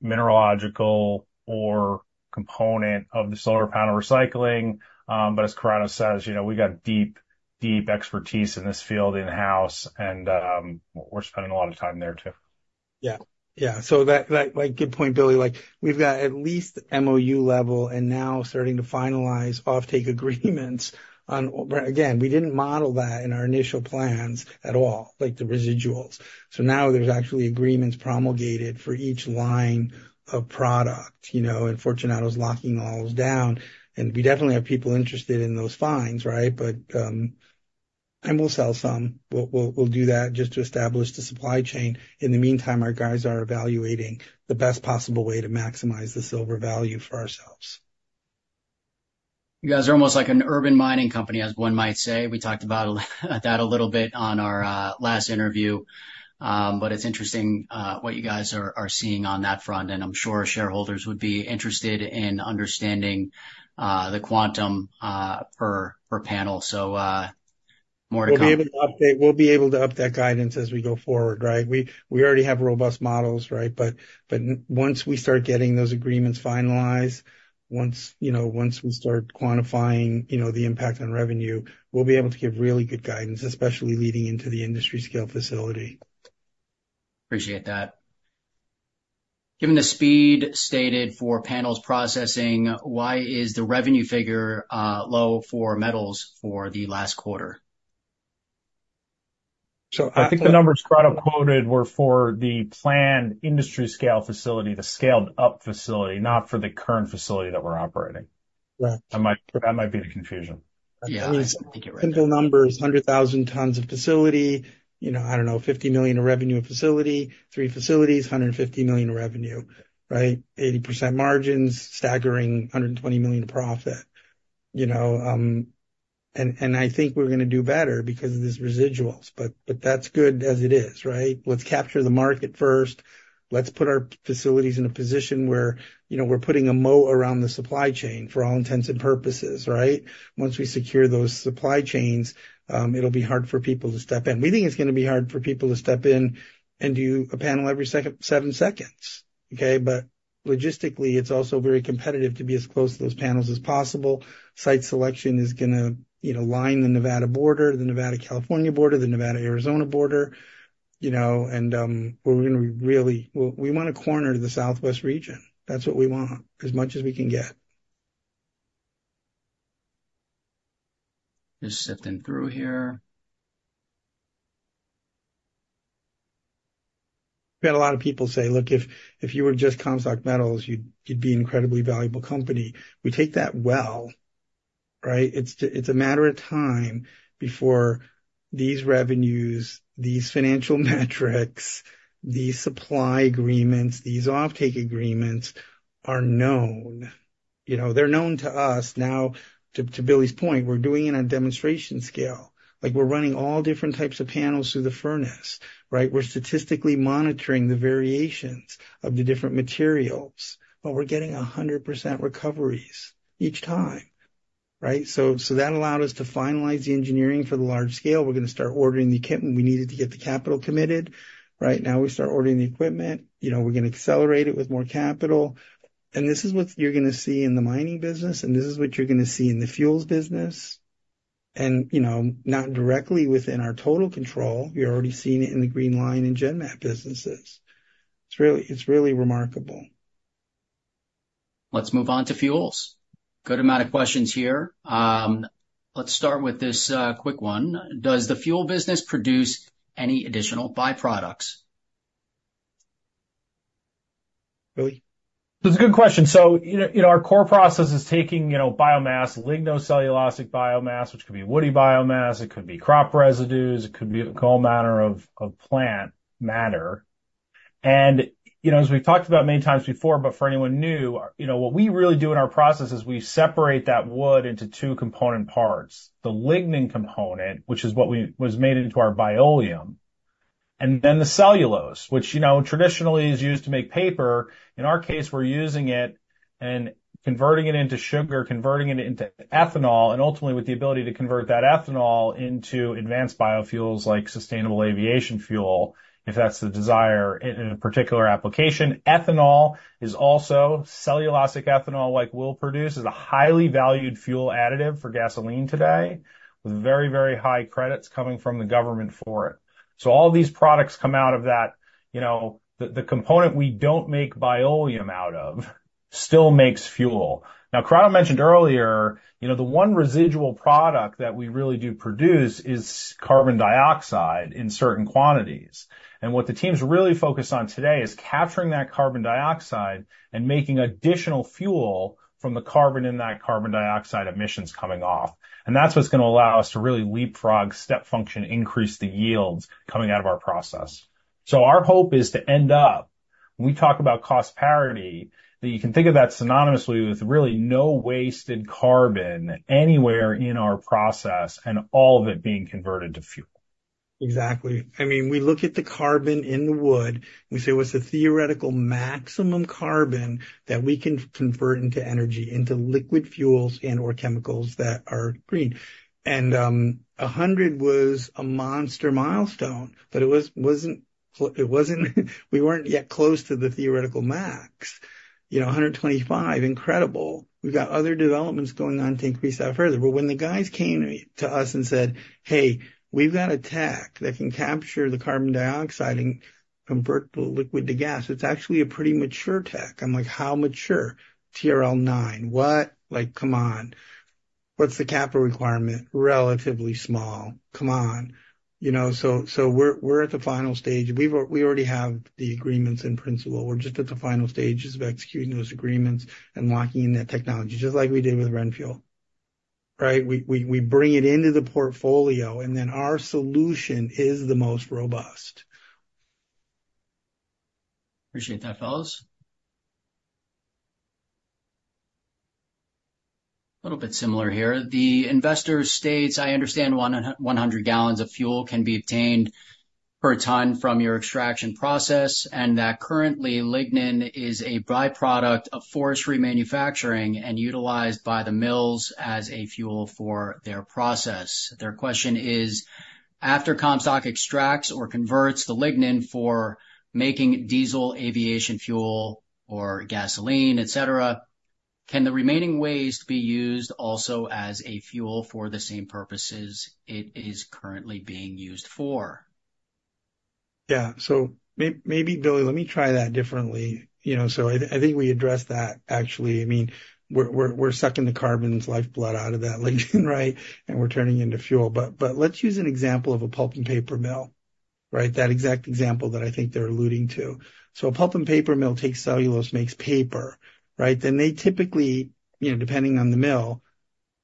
mineralogical or component of the solar panel recycling. But as Corrado says, you know, we got deep, deep expertise in this field in-house, and we're spending a lot of time there too. Yeah. Yeah. So that good point, Billy. Like, we've got at least MOU level and now starting to finalize offtake agreements on, but again, we didn't model that in our initial plans at all, like, the residuals. So now there's actually agreements promulgated for each line of product, you know, and Fortunato's locking all those down, and we definitely have people interested in those fines, right? But and we'll sell some. We'll do that just to establish the supply chain. In the meantime, our guys are evaluating the best possible way to maximize the silver value for ourselves. You guys are almost like an urban mining company, as one might say. We talked about that a little bit on our last interview. But it's interesting what you guys are seeing on that front, and I'm sure shareholders would be interested in understanding the quantum per panel. So, more to come. We'll be able to up that guidance as we go forward, right? We already have robust models, right? But once we start getting those agreements finalized, once, you know, once we start quantifying, you know, the impact on revenue, we'll be able to give really good guidance, especially leading into the industry scale facility. Appreciate that. Given the speed stated for panels processing, why is the revenue figure low for metals for the last quarter? I think the numbers Corrado quoted were for the planned industry scale facility, the scaled-up facility, not for the current facility that we're operating. Right. That might, that might be the confusion. Yeah, I think you're right. Simple numbers, 100,000 tons of facility. You know, I don't know, $50 million in revenue of facility, three facilities, $150 million in revenue, right? 80% margins, staggering, $120 million in profit. You know, and I think we're gonna do better because of these residuals, but that's good as it is, right? Let's capture the market first. Let's put our facilities in a position where, you know, we're putting a moat around the supply chain, for all intents and purposes, right? Once we secure those supply chains, it'll be hard for people to step in. We think it's gonna be hard for people to step in and do a panel every second, seven seconds, okay? But logistically, it's also very competitive to be as close to those panels as possible. Site selection is gonna, you know, line the Nevada border, the Nevada-California border, the Nevada-Arizona border, you know, and we're gonna be really, we want to corner the southwest region. That's what we want, as much as we can get. Just sifting through here. We had a lot of people say, "Look, if you were just Comstock Metals, you'd be an incredibly valuable company." We take that well, right? It's just a matter of time before these revenues, these financial metrics, these supply agreements, these offtake agreements are known. You know, they're known to us. Now, to Billy's point, we're doing it on demonstration scale. Like, we're running all different types of panels through the furnace, right? We're statistically monitoring the variations of the different materials, but we're getting 100% recoveries each time, right? So that allowed us to finalize the engineering for the large scale. We're gonna start ordering the equipment. We needed to get the capital committed. Right now, we start ordering the equipment. You know, we're gonna accelerate it with more capital. This is what you're gonna see in the mining business, and this is what you're gonna see in the fuels business, and, you know, not directly within our total control. We're already seeing it in the Green Li-ion and GenMat businesses. It's really, it's really remarkable. Let's move on to fuels. Good amount of questions here. Let's start with this, quick one: Does the fuel business produce any additional byproducts? Billy? That's a good question. So, you know, you know, our core process is taking, you know, biomass, lignocellulosic biomass, which could be woody biomass, it could be crop residues, it could be a whole manner of plant matter. And, you know, as we've talked about many times before, but for anyone new, you know, what we really do in our process is we separate that wood into two component parts, the lignin component, which is what we was made into our Bioleum, and then the cellulose, which, you know, traditionally is used to make paper. In our case, we're using it and converting it into sugar, converting it into ethanol, and ultimately, with the ability to convert that ethanol into advanced biofuels, like sustainable aviation fuel, if that's the desire in a particular application. Ethanol is also cellulosic ethanol, like we'll produce, is a highly valued fuel additive for gasoline today, with very, very high credits coming from the government for it. So all these products come out of that. You know, the component we don't make Bioleum out of still makes fuel. Now, Corrado mentioned earlier, you know, the one residual product that we really do produce is carbon dioxide in certain quantities. And what the team's really focused on today is capturing that carbon dioxide and making additional fuel from the carbon in that carbon dioxide emissions coming off. And that's what's gonna allow us to really leapfrog, step function, increase the yields coming out of our process. Our hope is to end up, when we talk about cost parity, that you can think of that synonymously with really no wasted carbon anywhere in our process, and all of it being converted to fuel. Exactly. I mean, we look at the carbon in the wood, we say, "What's the theoretical maximum carbon that we can convert into energy, into liquid fuels and/or chemicals that are green?" And, a 100 was a monster milestone, but it wasn't, we weren't yet close to the theoretical max.... you know, a 125, incredible. We've got other developments going on to increase that further. But when the guys came to us and said, "Hey, we've got a tech that can capture the carbon dioxide and convert the liquid to gas, it's actually a pretty mature tech." I'm like: How mature? TRL 9. What? Like, come on. What's the capital requirement? Relatively small. Come on. You know, so, so we're, we're at the final stage. We've already have the agreements in principle. We're just at the final stages of executing those agreements and locking in that technology, just like we did with RenFuel. Right? We bring it into the portfolio, and then our solution is the most robust. Appreciate that, fellas. A little bit similar here. The investor states, "I understand 100 gal of fuel can be obtained per ton from your extraction process, and that currently, lignin is a byproduct of forestry manufacturing and utilized by the mills as a fuel for their process." Their question is: After Comstock extracts or converts the lignin for making diesel aviation fuel or gasoline, et cetera, can the remaining waste be used also as a fuel for the same purposes it is currently being used for? Yeah. So maybe, Billy, let me try that differently. You know, so I, I think we addressed that, actually. I mean, we're sucking the carbon's lifeblood out of that lignin, right? And we're turning it into fuel. But let's use an example of a pulp and paper mill, right? That exact example that I think they're alluding to. So a pulp and paper mill takes cellulose, makes paper, right? Then they typically, you know, depending on the mill,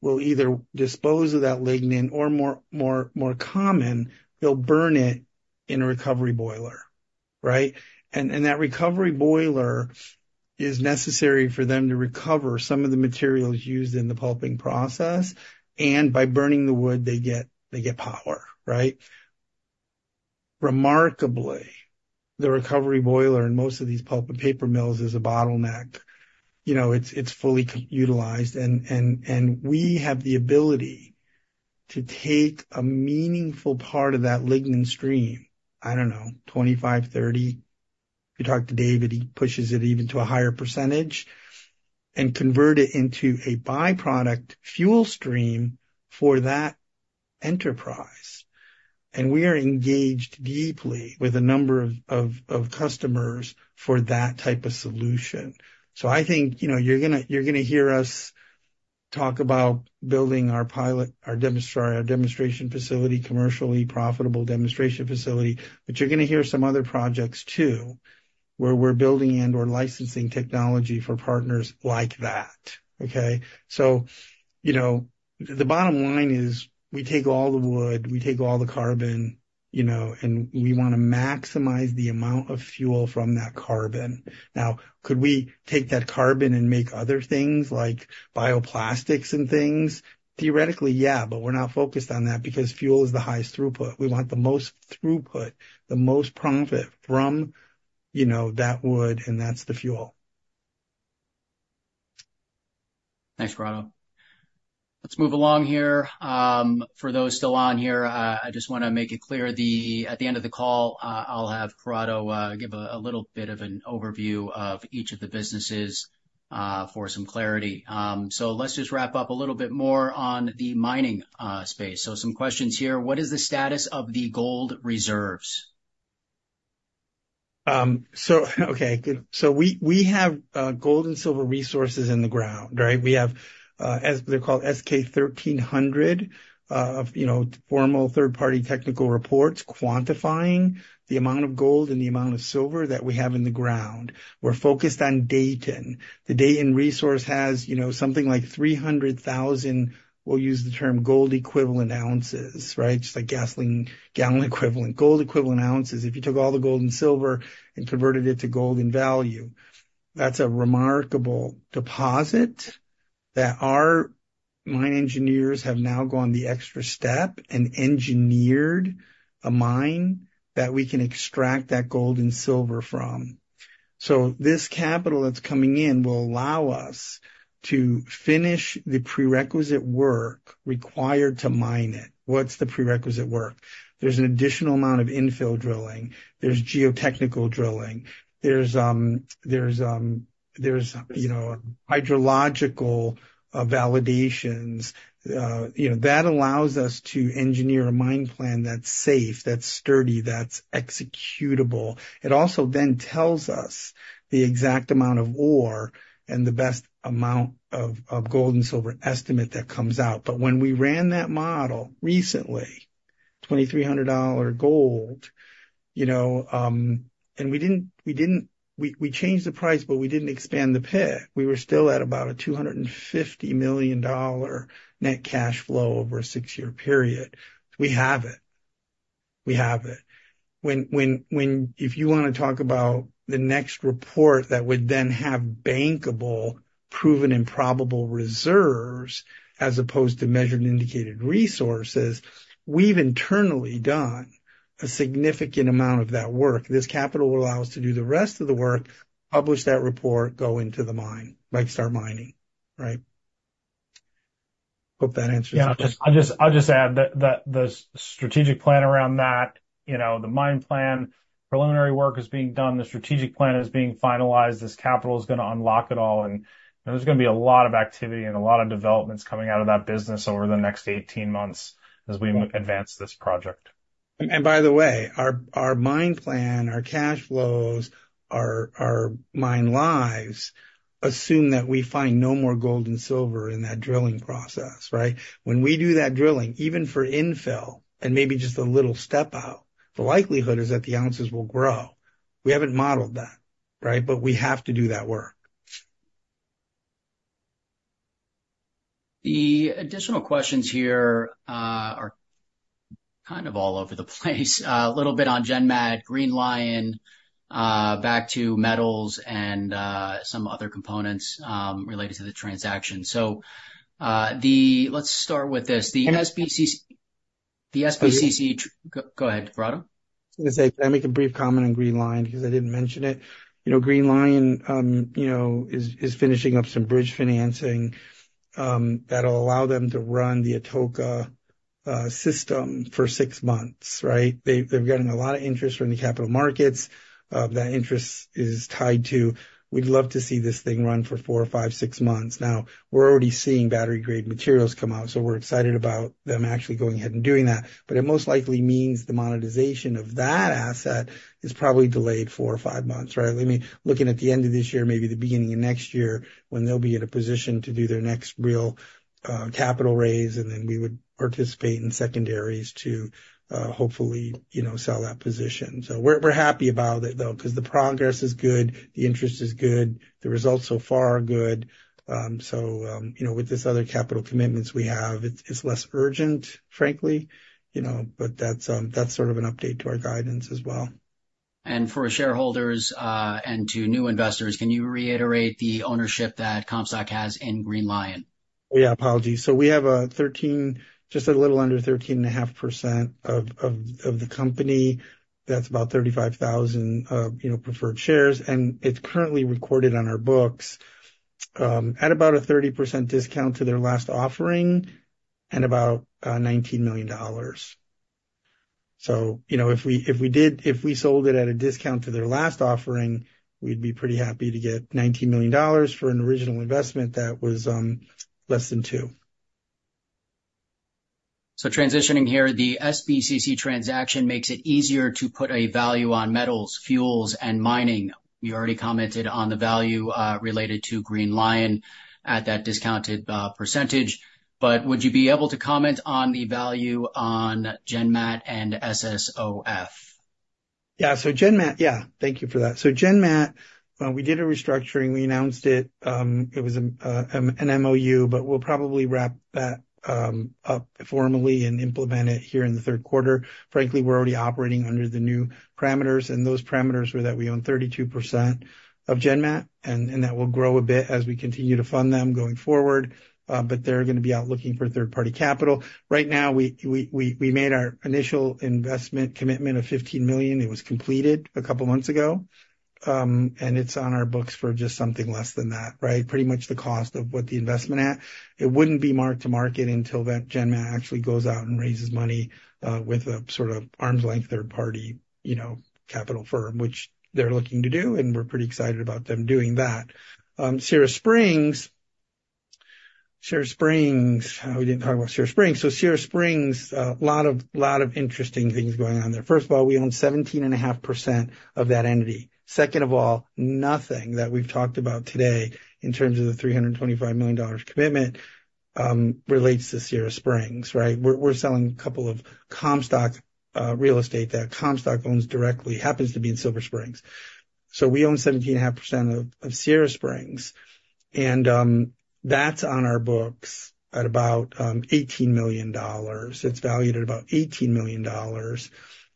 will either dispose of that lignin, or more common, they'll burn it in a recovery boiler, right? And that recovery boiler is necessary for them to recover some of the materials used in the pulping process, and by burning the wood, they get power, right? Remarkably, the recovery boiler in most of these pulp and paper mills is a bottleneck. You know, it's fully utilized, and we have the ability to take a meaningful part of that lignin stream, I don't know, 25 %, 30%. If you talk to David, he pushes it even to a higher percentage, and convert it into a byproduct fuel stream for that enterprise. And we are engaged deeply with a number of customers for that type of solution. So I think, you know, you're gonna hear us talk about building our pilot, our demonstrator, our demonstration facility, commercially profitable demonstration facility, but you're gonna hear some other projects, too, where we're building in or licensing technology for partners like that, okay? So, you know, the bottom line is, we take all the wood, we take all the carbon, you know, and we wanna maximize the amount of fuel from that carbon. Now, could we take that carbon and make other things like bioplastics and things? Theoretically, yeah, but we're not focused on that because fuel is the highest throughput. We want the most throughput, the most profit from, you know, that wood, and that's the fuel. Thanks, Corrado. Let's move along here. For those still on here, I just wanna make it clear, at the end of the call, I'll have Corrado give a little bit of an overview of each of the businesses, for some clarity. So let's just wrap up a little bit more on the mining space. So some questions here: What is the status of the gold reserves? So okay, good. So we have gold and silver resources in the ground, right? We have, as they're called, S-K 1300, you know, formal third-party technical reports quantifying the amount of gold and the amount of silver that we have in the ground. We're focused on Dayton. The Dayton resource has, you know, something like 300,000, we'll use the term gold equivalent ounces, right? Just like gasoline, gallon equivalent, gold equivalent ounces. If you took all the gold and silver and converted it to gold in value, that's a remarkable deposit that our mine engineers have now gone the extra step and engineered a mine that we can extract that gold and silver from. So this capital that's coming in will allow us to finish the prerequisite work required to mine it. What's the prerequisite work? There's an additional amount of infill drilling, there's geotechnical drilling, there's hydrological validations, you know, that allows us to engineer a mine plan that's safe, that's sturdy, that's executable. It also then tells us the exact amount of ore and the best amount of gold and silver estimate that comes out. But when we ran that model recently, $2,300 gold, you know, and we didn't, we changed the price, but we didn't expand the pit. We were still at about a $250 million net cash flow over a 6-year period. We have it. We have it. When... If you wanna talk about the next report, that would then have bankable, proven, and probable reserves as opposed to measured and indicated resources, we've internally done a significant amount of that work. This capital will allow us to do the rest of the work, publish that report, go into the mine, like, start mining, right? Hope that answers. Yeah, I'll just add that the strategic plan around that, you know, the mine plan, preliminary work is being done, the strategic plan is being finalized, this capital is gonna unlock it all, and there's gonna be a lot of activity and a lot of developments coming out of that business over the next 18 months as we advance this project. By the way, our mine plan, our cash flows, our mine lives assume that we find no more gold and silver in that drilling process, right? When we do that drilling, even for infill and maybe just a little step out, the likelihood is that the ounces will grow. We haven't modeled that, right? But we have to do that work. The additional questions here are kind of all over the place. A little bit on GenMat, Green Li-ion, back to metals and some other components related to the transaction. So, let's start with this. The SBC, the SBC... Go, go ahead, Corrado. I was gonna say, can I make a brief comment on Green Li-ion because I didn't mention it? You know, Green Li-ion, you know, is finishing up some bridge financing, that'll allow them to run the Atoka system for six months, right? They're getting a lot of interest from the capital markets. That interest is tied to, "We'd love to see this thing run for four, five, six months." Now, we're already seeing battery-grade materials come out, so we're excited about them actually going ahead and doing that. But it most likely means the monetization of that asset is probably delayed four or five months, right? I mean, looking at the end of this year, maybe the beginning of next year, when they'll be in a position to do their next real, capital raise, and then we would participate in secondaries to, hopefully, you know, sell that position. So we're, we're happy about it, though. Because the progress is good, the interest is good, the results so far are good. So, you know, with this other capital commitments we have, it's, it's less urgent, frankly, you know, but that's, that's sort of an update to our guidance as well. For shareholders, and to new investors, can you reiterate the ownership that Comstock has in Green Li-ion? Yeah, apologies. So we have 13%, just a little under 13.5% of the company. That's about 35,000, you know, preferred shares, and it's currently recorded on our books at about a 30% discount to their last offering and about $19 million. So, you know, if we did—if we sold it at a discount to their last offering, we'd be pretty happy to get $19 million for an original investment that was less than $2 million. So transitioning here, the SBCC transaction makes it easier to put a value on metals, fuels, and mining. You already commented on the value related to Green Li-ion at that discounted percentage, but would you be able to comment on the value on GenMat and SSOF? Yeah. So GenMat, yeah, thank you for that. So GenMat, we did a restructuring. We announced it, it was an MOU, but we'll probably wrap that up formally and implement it here in the third quarter. Frankly, we're already operating under the new parameters, and those parameters were that we own 32% of GenMat, and that will grow a bit as we continue to fund them going forward. But they're gonna be out looking for third-party capital. Right now, we made our initial investment commitment of $15 million. It was completed a couple of months ago, and it's on our books for just something less than that, right? Pretty much the cost of what the investment at. It wouldn't be marked to market until that GenMat actually goes out and raises money, with a sort of arm's length, third party, you know, capital firm, which they're looking to do, and we're pretty excited about them doing that. Sierra Springs, Sierra Springs, we didn't talk about Sierra Springs. So Sierra Springs, a lot of, lot of interesting things going on there. First of all, we own 17.5% of that entity. Second of all, nothing that we've talked about today in terms of the $325 million commitment relates to Sierra Springs, right? We're selling a couple of Comstock real estate that Comstock owns directly, happens to be in Silver Springs. So we own 17.5% of Sierra Springs, and that's on our books at about $18 million. It's valued at about $18 million,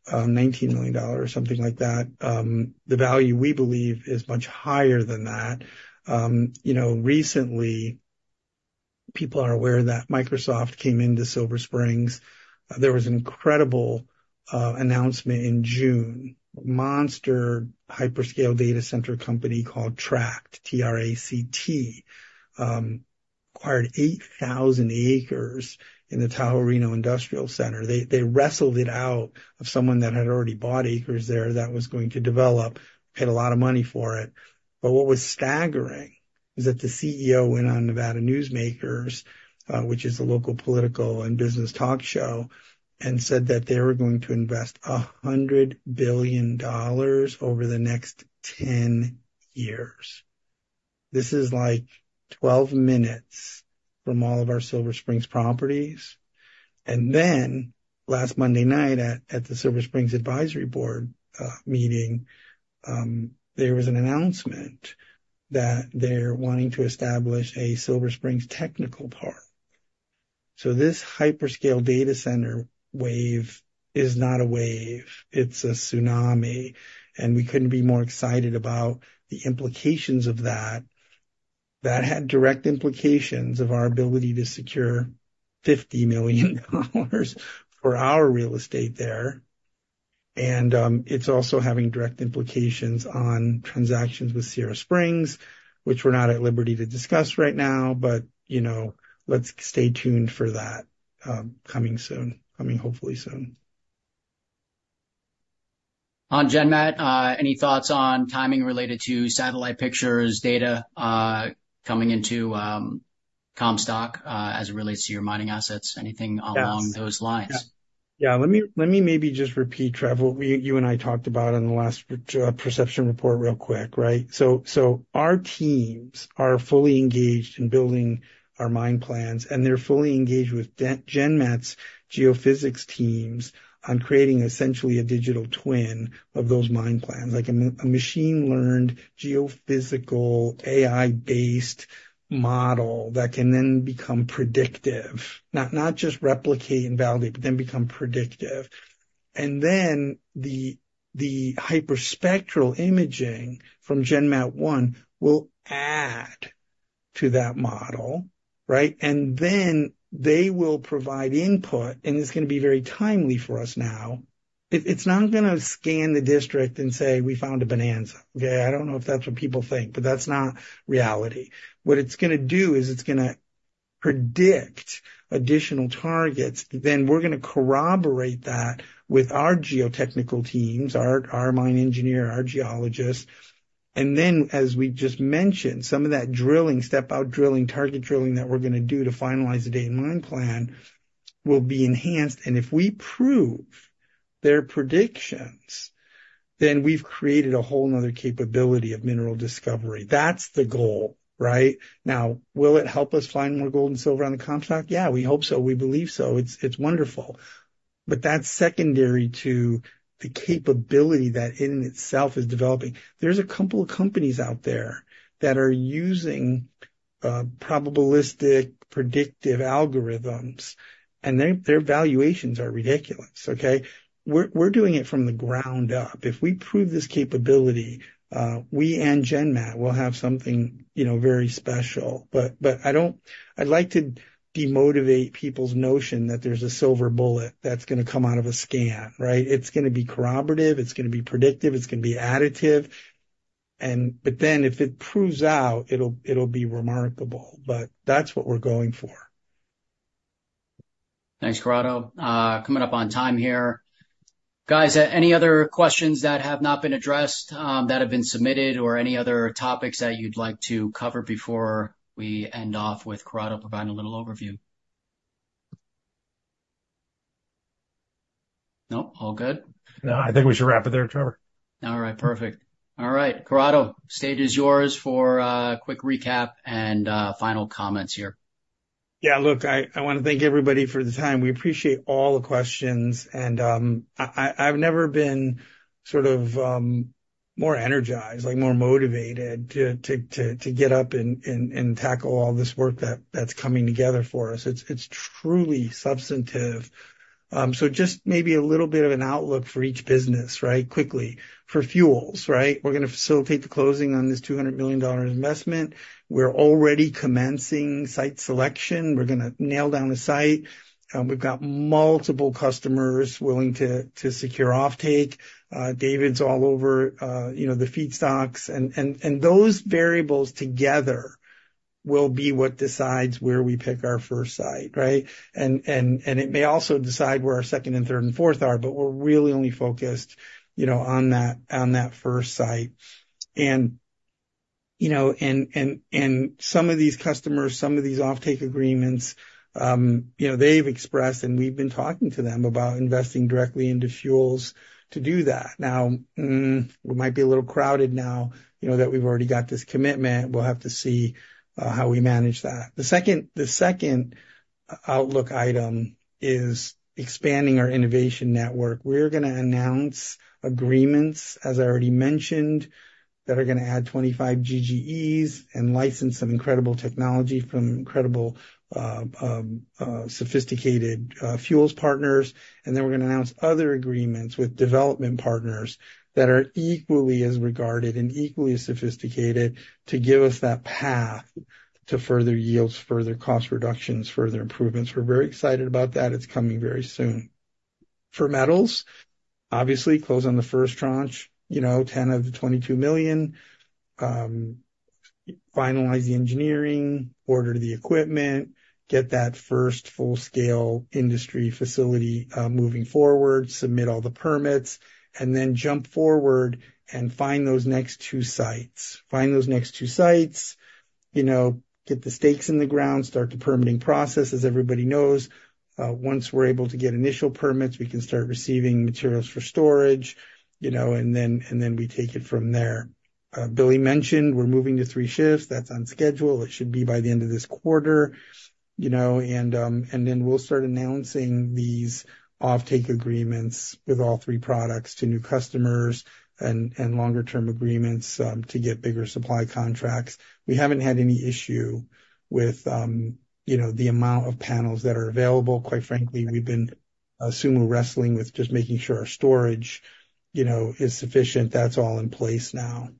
$19 million, something like that. The value, we believe, is much higher than that. You know, recently, people are aware that Microsoft came into Silver Springs. There was an incredible announcement in June. Monster hyperscale data center company called Tract, T-R-A-C-T, acquired 8,000 acres in the Tahoe Reno Industrial Center. They wrestled it out of someone that had already bought acres there that was going to develop, paid a lot of money for it. But what was staggering is that the CEO went on Nevada Newsmakers, which is a local political and business talk show, and said that they were going to invest $100 billion over the next 10 years. This is like 12 minutes from all of our Silver Springs properties. Then last Monday night at the Silver Springs Advisory Board meeting, there was an announcement that they're wanting to establish a Silver Springs Technical Park. So this hyperscale data center wave is not a wave, it's a tsunami, and we couldn't be more excited about the implications of that. That had direct implications of our ability to secure $50 million for our real estate there. And it's also having direct implications on transactions with Sierra Springs, which we're not at liberty to discuss right now, but you know, let's stay tuned for that, coming soon. Coming hopefully soon. On GenMat, any thoughts on timing related to satellite pictures, data, coming into, Comstock, as it relates to your mining assets? Anything along those lines. Yeah. Let me maybe just repeat, Trevor, what you and I talked about in the last perception report real quick, right? So our teams are fully engaged in building our mine plans, and they're fully engaged with GenMat's geophysics teams on creating essentially a digital twin of those mine plans, like a machine-learned, geophysical, AI-based model that can then become predictive, not just replicate and validate, but then become predictive. And then the hyperspectral imaging from GENMAT-1 will add to that model, right? And then they will provide input, and it's gonna be very timely for us now. It's not gonna scan the district and say, "We found a bonanza." Okay? I don't know if that's what people think, but that's not reality. What it's gonna do is it's gonna predict additional targets, then we're gonna corroborate that with our geotechnical teams, our mine engineer, our geologists. And then, as we just mentioned, some of that drilling, step-out drilling, target drilling that we're gonna do to finalize the data and mine plan will be enhanced. And if we prove their predictions, then we've created a whole another capability of mineral discovery. That's the goal, right? Now, will it help us find more gold and silver on the Comstock? Yeah, we hope so. We believe so. It's wonderful. But that's secondary to the capability that in itself is developing. There's a couple of companies out there that are using probabilistic, predictive algorithms, and their valuations are ridiculous, okay? We're doing it from the ground up. If we prove this capability, we and GenMat will have something, you know, very special. But, but I don't... I'd like to demotivate people's notion that there's a silver bullet that's gonna come out of a scan, right? It's gonna be corroborative, it's gonna be predictive, it's gonna be additive. And, but then, if it proves out, it'll, it'll be remarkable. But that's what we're going for. Thanks, Corrado. Coming up on time here. Guys, any other questions that have not been addressed, that have been submitted or any other topics that you'd like to cover before we end off with Corrado providing a little overview? No, all good? No, I think we should wrap it there, Trevor. All right, perfect. All right, Corrado, stage is yours for quick recap and final comments here. Yeah, look, I wanna thank everybody for the time. We appreciate all the questions, and I've never been sort of more energized, like, more motivated to get up and tackle all this work that's coming together for us. It's truly substantive. So just maybe a little bit of an outlook for each business, right? Quickly. For fuels, right, we're gonna facilitate the closing on this $200 million investment. We're already commencing site selection. We're gonna nail down the site, and we've got multiple customers willing to secure offtake. David's all over, you know, the feedstocks. And those variables together will be what decides where we pick our first site, right? It may also decide where our second and third and fourth are, but we're really only focused, you know, on that, on that first site. You know, some of these customers, some of these offtake agreements, you know, they've expressed, and we've been talking to them about investing directly into fuels to do that. Now, it might be a little crowded now, you know, that we've already got this commitment. We'll have to see how we manage that. The second outlook item is expanding our innovation network. We're gonna announce agreements, as I already mentioned, that are gonna add 25 GGEs and license some incredible technology from incredible sophisticated fuels partners. Then we're gonna announce other agreements with development partners that are equally as regarded and equally as sophisticated to give us that path to further yields, further cost reductions, further improvements. We're very excited about that. It's coming very soon. For metals, obviously, close on the first tranche, you know, $10 million of the $22 million, finalize the engineering, order the equipment, get that first full-scale industry facility moving forward, submit all the permits, and then jump forward and find those next two sites. Find those next two sites, you know, get the stakes in the ground, start the permitting process. As everybody knows, once we're able to get initial permits, we can start receiving materials for storage, you know, and then, and then we take it from there. Billy mentioned we're moving to three shifts. That's on schedule. It should be by the end of this quarter, you know, and then we'll start announcing these offtake agreements with all three products to new customers and longer term agreements to get bigger supply contracts. We haven't had any issue with, you know, the amount of panels that are available. Quite frankly, we've been sumo wrestling with just making sure our storage, you know, is sufficient. That's all in place now.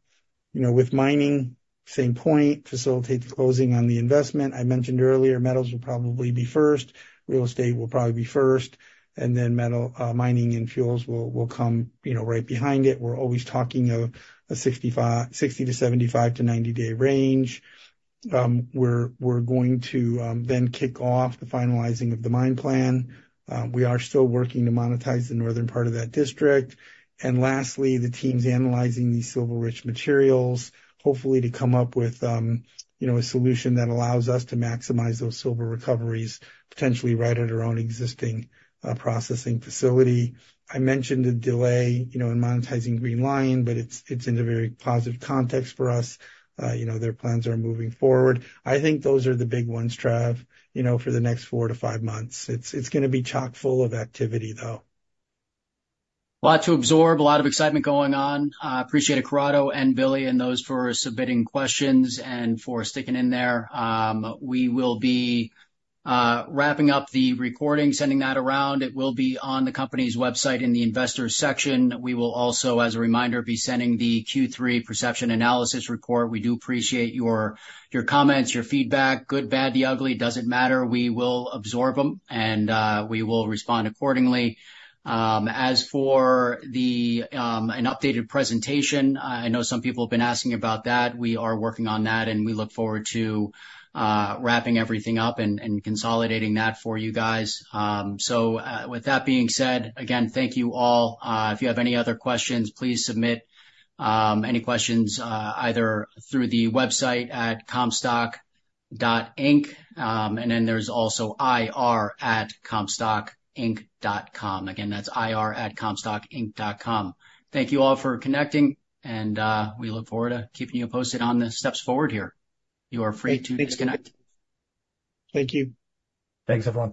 You know, with mining, same point, facilitate the closing on the investment. I mentioned earlier, metals will probably be first, real estate will probably be first, and then metal mining and fuels will come, you know, right behind it. We're always talking of a 60-75-90-day range. We're going to then kick off the finalizing of the mine plan. We are still working to monetize the northern part of that district. And lastly, the team's analyzing these silver-rich materials, hopefully to come up with, you know, a solution that allows us to maximize those silver recoveries, potentially right at our own existing, processing facility. I mentioned the delay, you know, in monetizing Green Li-ion, but it's, it's in a very positive context for us. You know, their plans are moving forward. I think those are the big ones, Trav, you know, for the next 4-5 months. It's, it's gonna be chock-full of activity, though. A lot to absorb, a lot of excitement going on. I appreciate it, Corrado and Billy, and those for submitting questions and for sticking in there. We will be wrapping up the recording, sending that around. It will be on the company's website in the Investors section. We will also, as a reminder, be sending the Q3 perception analysis report. We do appreciate your, your comments, your feedback. Good, bad, the ugly, doesn't matter. We will absorb them, and we will respond accordingly. As for the, an updated presentation, I know some people have been asking about that. We are working on that, and we look forward to wrapping everything up and, and consolidating that for you guys. So, with that being said, again, thank you all. If you have any other questions, please submit any questions either through the website at comstock.inc. And then there's also ir@comstockinc.com. Again, that's ir@comstockinc.com. Thank you all for connecting, and we look forward to keeping you posted on the steps forward here. You are free to disconnect. Thank you. Thanks, everyone.